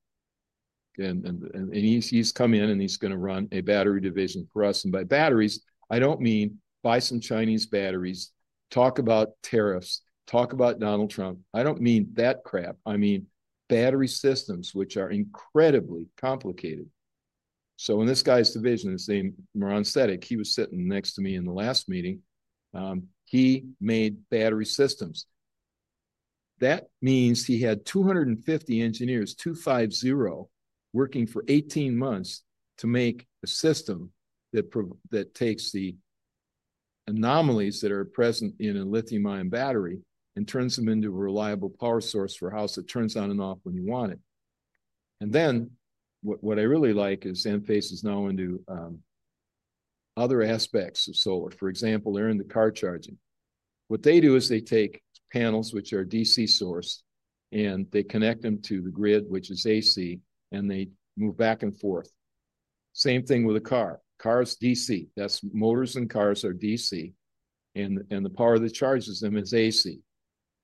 He's come in, and he's going to run a battery division for us. By batteries, I don't mean buy some Chinese batteries, talk about tariffs, talk about Donald Trump. I don't mean that crap. I mean battery systems, which are incredibly complicated. In this guy's division, his name is Mehran Sedigh. He was sitting next to me in the last meeting. He made battery systems. That means he had 250 engineers, 250, working for 18 months to make a system that takes the anomalies that are present in a lithium-ion battery and turns them into a reliable power source for a house that turns on and off when you want it. What I really like is Enphase is now into other aspects of solar. For example, they're into car charging. What they do is they take panels, which are DC sourced, and they connect them to the grid, which is AC, and they move back and forth. Same thing with a car. Car's DC. Motors in cars are DC. The power that charges them is AC.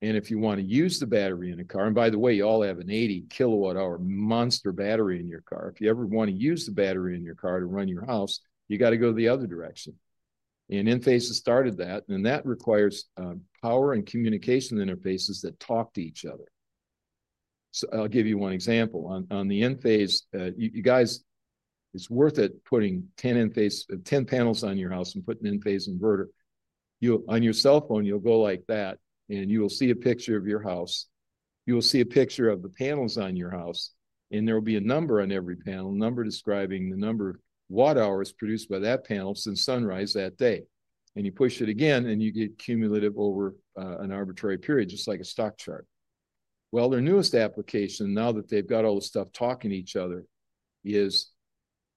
If you want to use the battery in a car, and by the way, you all have an 80 kWh monster battery in your car, if you ever want to use the battery in your car to run your house, you got to go the other direction. Enphase has started that. That requires power and communication interfaces that talk to each other. I'll give you one example. On the Enphase, you guys, it's worth it putting 10 panels on your house and putting an Enphase inverter. On your cell phone, you'll go like that, and you will see a picture of your house. You will see a picture of the panels on your house, and there will be a number on every panel, a number describing the number of watt-hours produced by that panel since sunrise that day. You push it again, and you get cumulative over an arbitrary period, just like a stock chart. Their newest application, now that they've got all the stuff talking to each other, is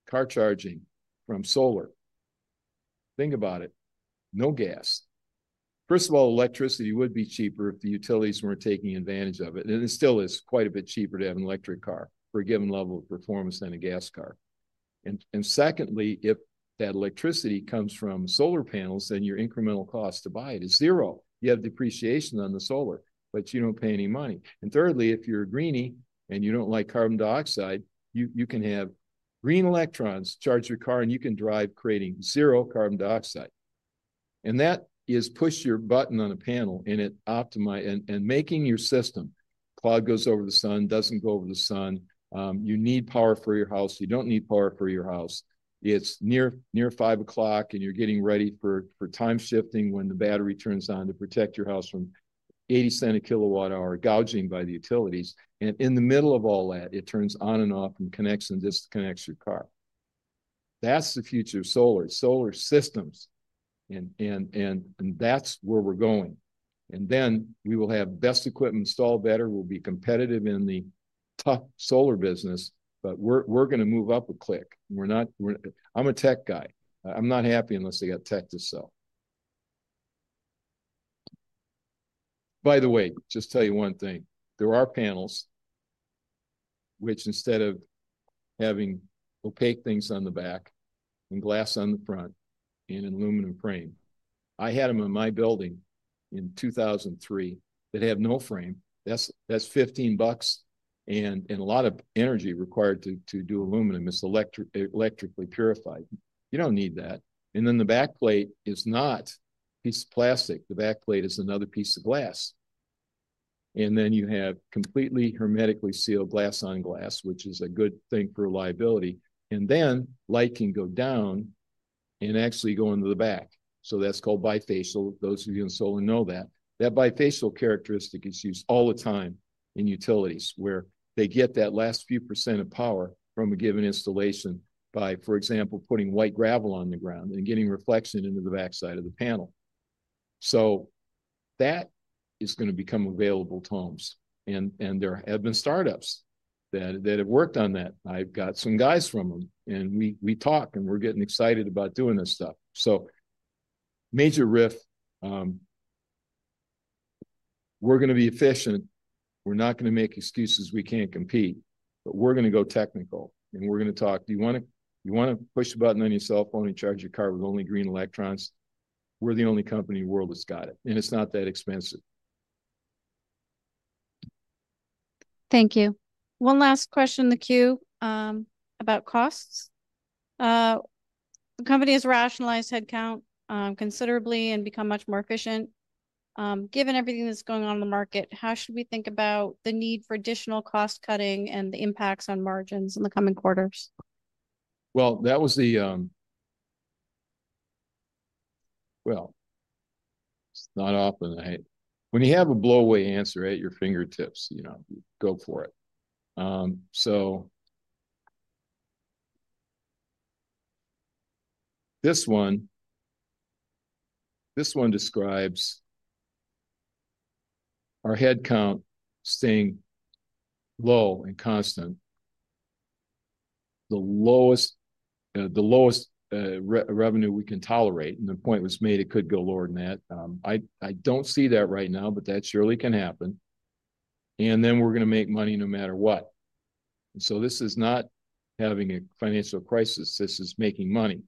car charging from solar. Think about it. No gas. First of all, electricity would be cheaper if the utilities were not taking advantage of it. It still is quite a bit cheaper to have an electric car for a given level of performance than a gas car. Secondly, if that electricity comes from solar panels, then your incremental cost to buy it is zero. You have depreciation on the solar, but you do not pay any money. Thirdly, if you are a greenie and you do not like carbon dioxide, you can have green electrons charge your car, and you can drive creating zero carbon dioxide. That is push your button on a panel and making your system. Cloud goes over the sun, does not go over the sun. You need power for your house. You do not need power for your house. It is near 5:00 P.M., and you are getting ready for time shifting when the battery turns on to protect your house from 80 cent a kilowatt-hour gouging by the utilities. In the middle of all that, it turns on and off and connects and disconnects your car. That is the future of solar, solar systems. That is where we are going. We will have best equipment installed better. We will be competitive in the tough solar business, but we are going to move up a click. I am a tech guy. I am not happy unless I got tech to sell. By the way, just to tell you one thing. There are panels which instead of having opaque things on the back and glass on the front and an aluminum frame, I had them in my building in 2003 that had no frame. That's $15 and a lot of energy required to do aluminum. It's electrically purified. You don't need that. The back plate is not a piece of plastic. The back plate is another piece of glass. You have completely hermetically sealed glass on glass, which is a good thing for reliability. Light can go down and actually go into the back. That's called bifacial. Those of you in solar know that. That bifacial characteristic is used all the time in utilities where they get that last few percent of power from a given installation by, for example, putting white gravel on the ground and getting reflection into the backside of the panel. That is going to become available to homes. There have been startups that have worked on that. I've got some guys from them, and we talk, and we're getting excited about doing this stuff. Major riff. We're going to be efficient. We're not going to make excuses we can't compete, but we're going to go technical. We're going to talk. Do you want to push the button on your cell phone and charge your car with only green electrons? We're the only company in the world that's got it. It's not that expensive. Thank you. One last question in the queue about costs. The company has rationalized headcount considerably and become much more efficient. Given everything that's going on in the market, how should we think about the need for additional cost cutting and the impacts on margins in the coming quarters? That was the—not often. When you have a blow away answer at your fingertips, go for it. This one describes our headcount staying low and constant, the lowest revenue we can tolerate. The point was made it could go lower than that. I do not see that right now, but that surely can happen. We are going to make money no matter what. This is not having a financial crisis. This is making money.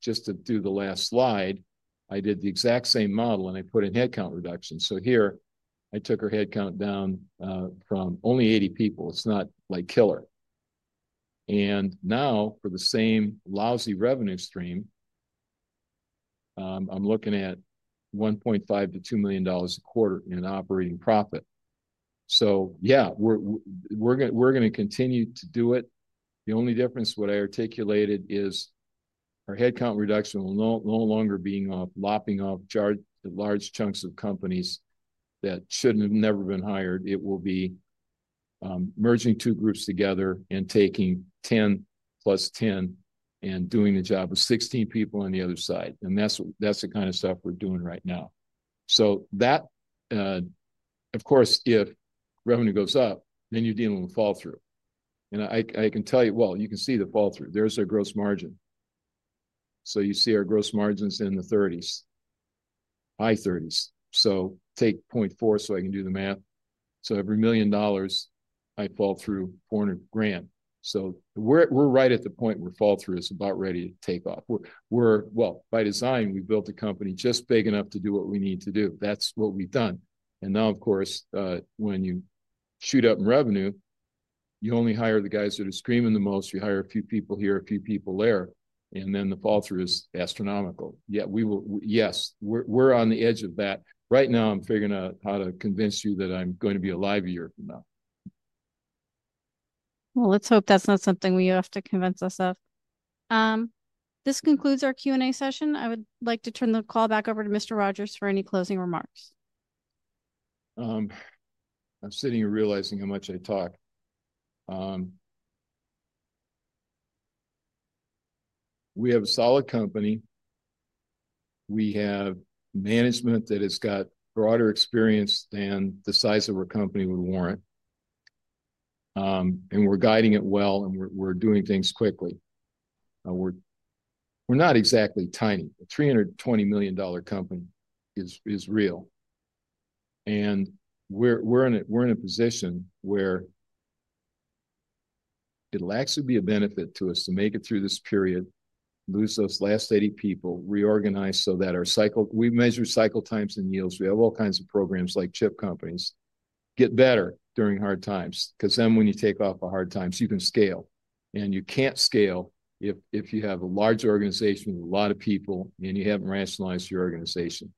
Just to do the last slide, I did the exact same model, and I put in headcount reduction. Here, I took our headcount down from only 80 people. It's not like killer. And now, for the same lousy revenue stream, I'm looking at $1.5 million-$2 million a quarter in operating profit. So yeah, we're going to continue to do it. The only difference, what I articulated, is our headcount reduction will no longer be lopping off large chunks of companies that shouldn't have never been hired. It will be merging two groups together and taking 10 + 10 and doing the job with 16 people on the other side. And that's the kind of stuff we're doing right now. So that, of course, if revenue goes up, then you're dealing with fall-through. And I can tell you, well, you can see the fall-through. There's our gross margin. So you see our gross margins in the 30s, high 30s. So take 0.4 so I can do the math. So every million dollars, I fall through $400,000. We're right at the point where fall-through is about ready to tape up. By design, we built a company just big enough to do what we need to do. That's what we've done. Now, of course, when you shoot up in revenue, you only hire the guys that are screaming the most. You hire a few people here, a few people there. Then the fall-through is astronomical. Yes, we're on the edge of that. Right now, I'm figuring out how to convince you that I'm going to be alive a year from now. Let's hope that's not something we have to convince us of. This concludes our Q&A session. I would like to turn the call back over to Mr. Rodgers for any closing remarks. I'm sitting here realizing how much I talk. We have a solid company. We have management that has got broader experience than the size of our company would warrant. We are guiding it well, and we are doing things quickly. We are not exactly tiny. A $320 million company is real. We are in a position where it will actually be a benefit to us to make it through this period, lose those last 80 people, reorganize so that our cycle—we measure cycle times and yields. We have all kinds of programs like chip companies get better during hard times because then when you take off a hard time, you can scale. You cannot scale if you have a large organization with a lot of people, and you have not rationalized your organization.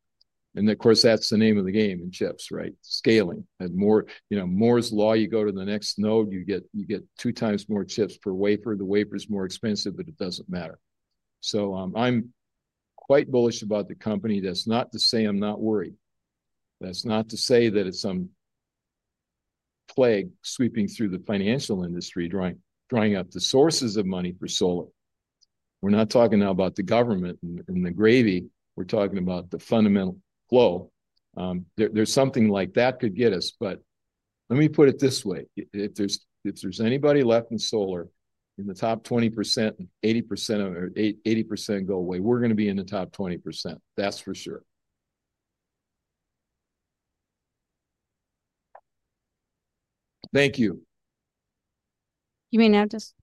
Of course, that is the name of the game in chips, right? Scaling. Moore's Law, you go to the next node, you get two times more chips per wafer. The wafer is more expensive, but it doesn't matter. So I'm quite bullish about the company. That's not to say I'm not worried. That's not to say that it's some plague sweeping through the financial industry, drying up the sources of money for solar. We're not talking now about the government and the gravy. We're talking about the fundamental flow. There's something like that could get us. Let me put it this way. If there's anybody left in solar, in the top 20%, 80% go away. We're going to be in the top 20%. That's for sure. Thank you. You may now disconnect.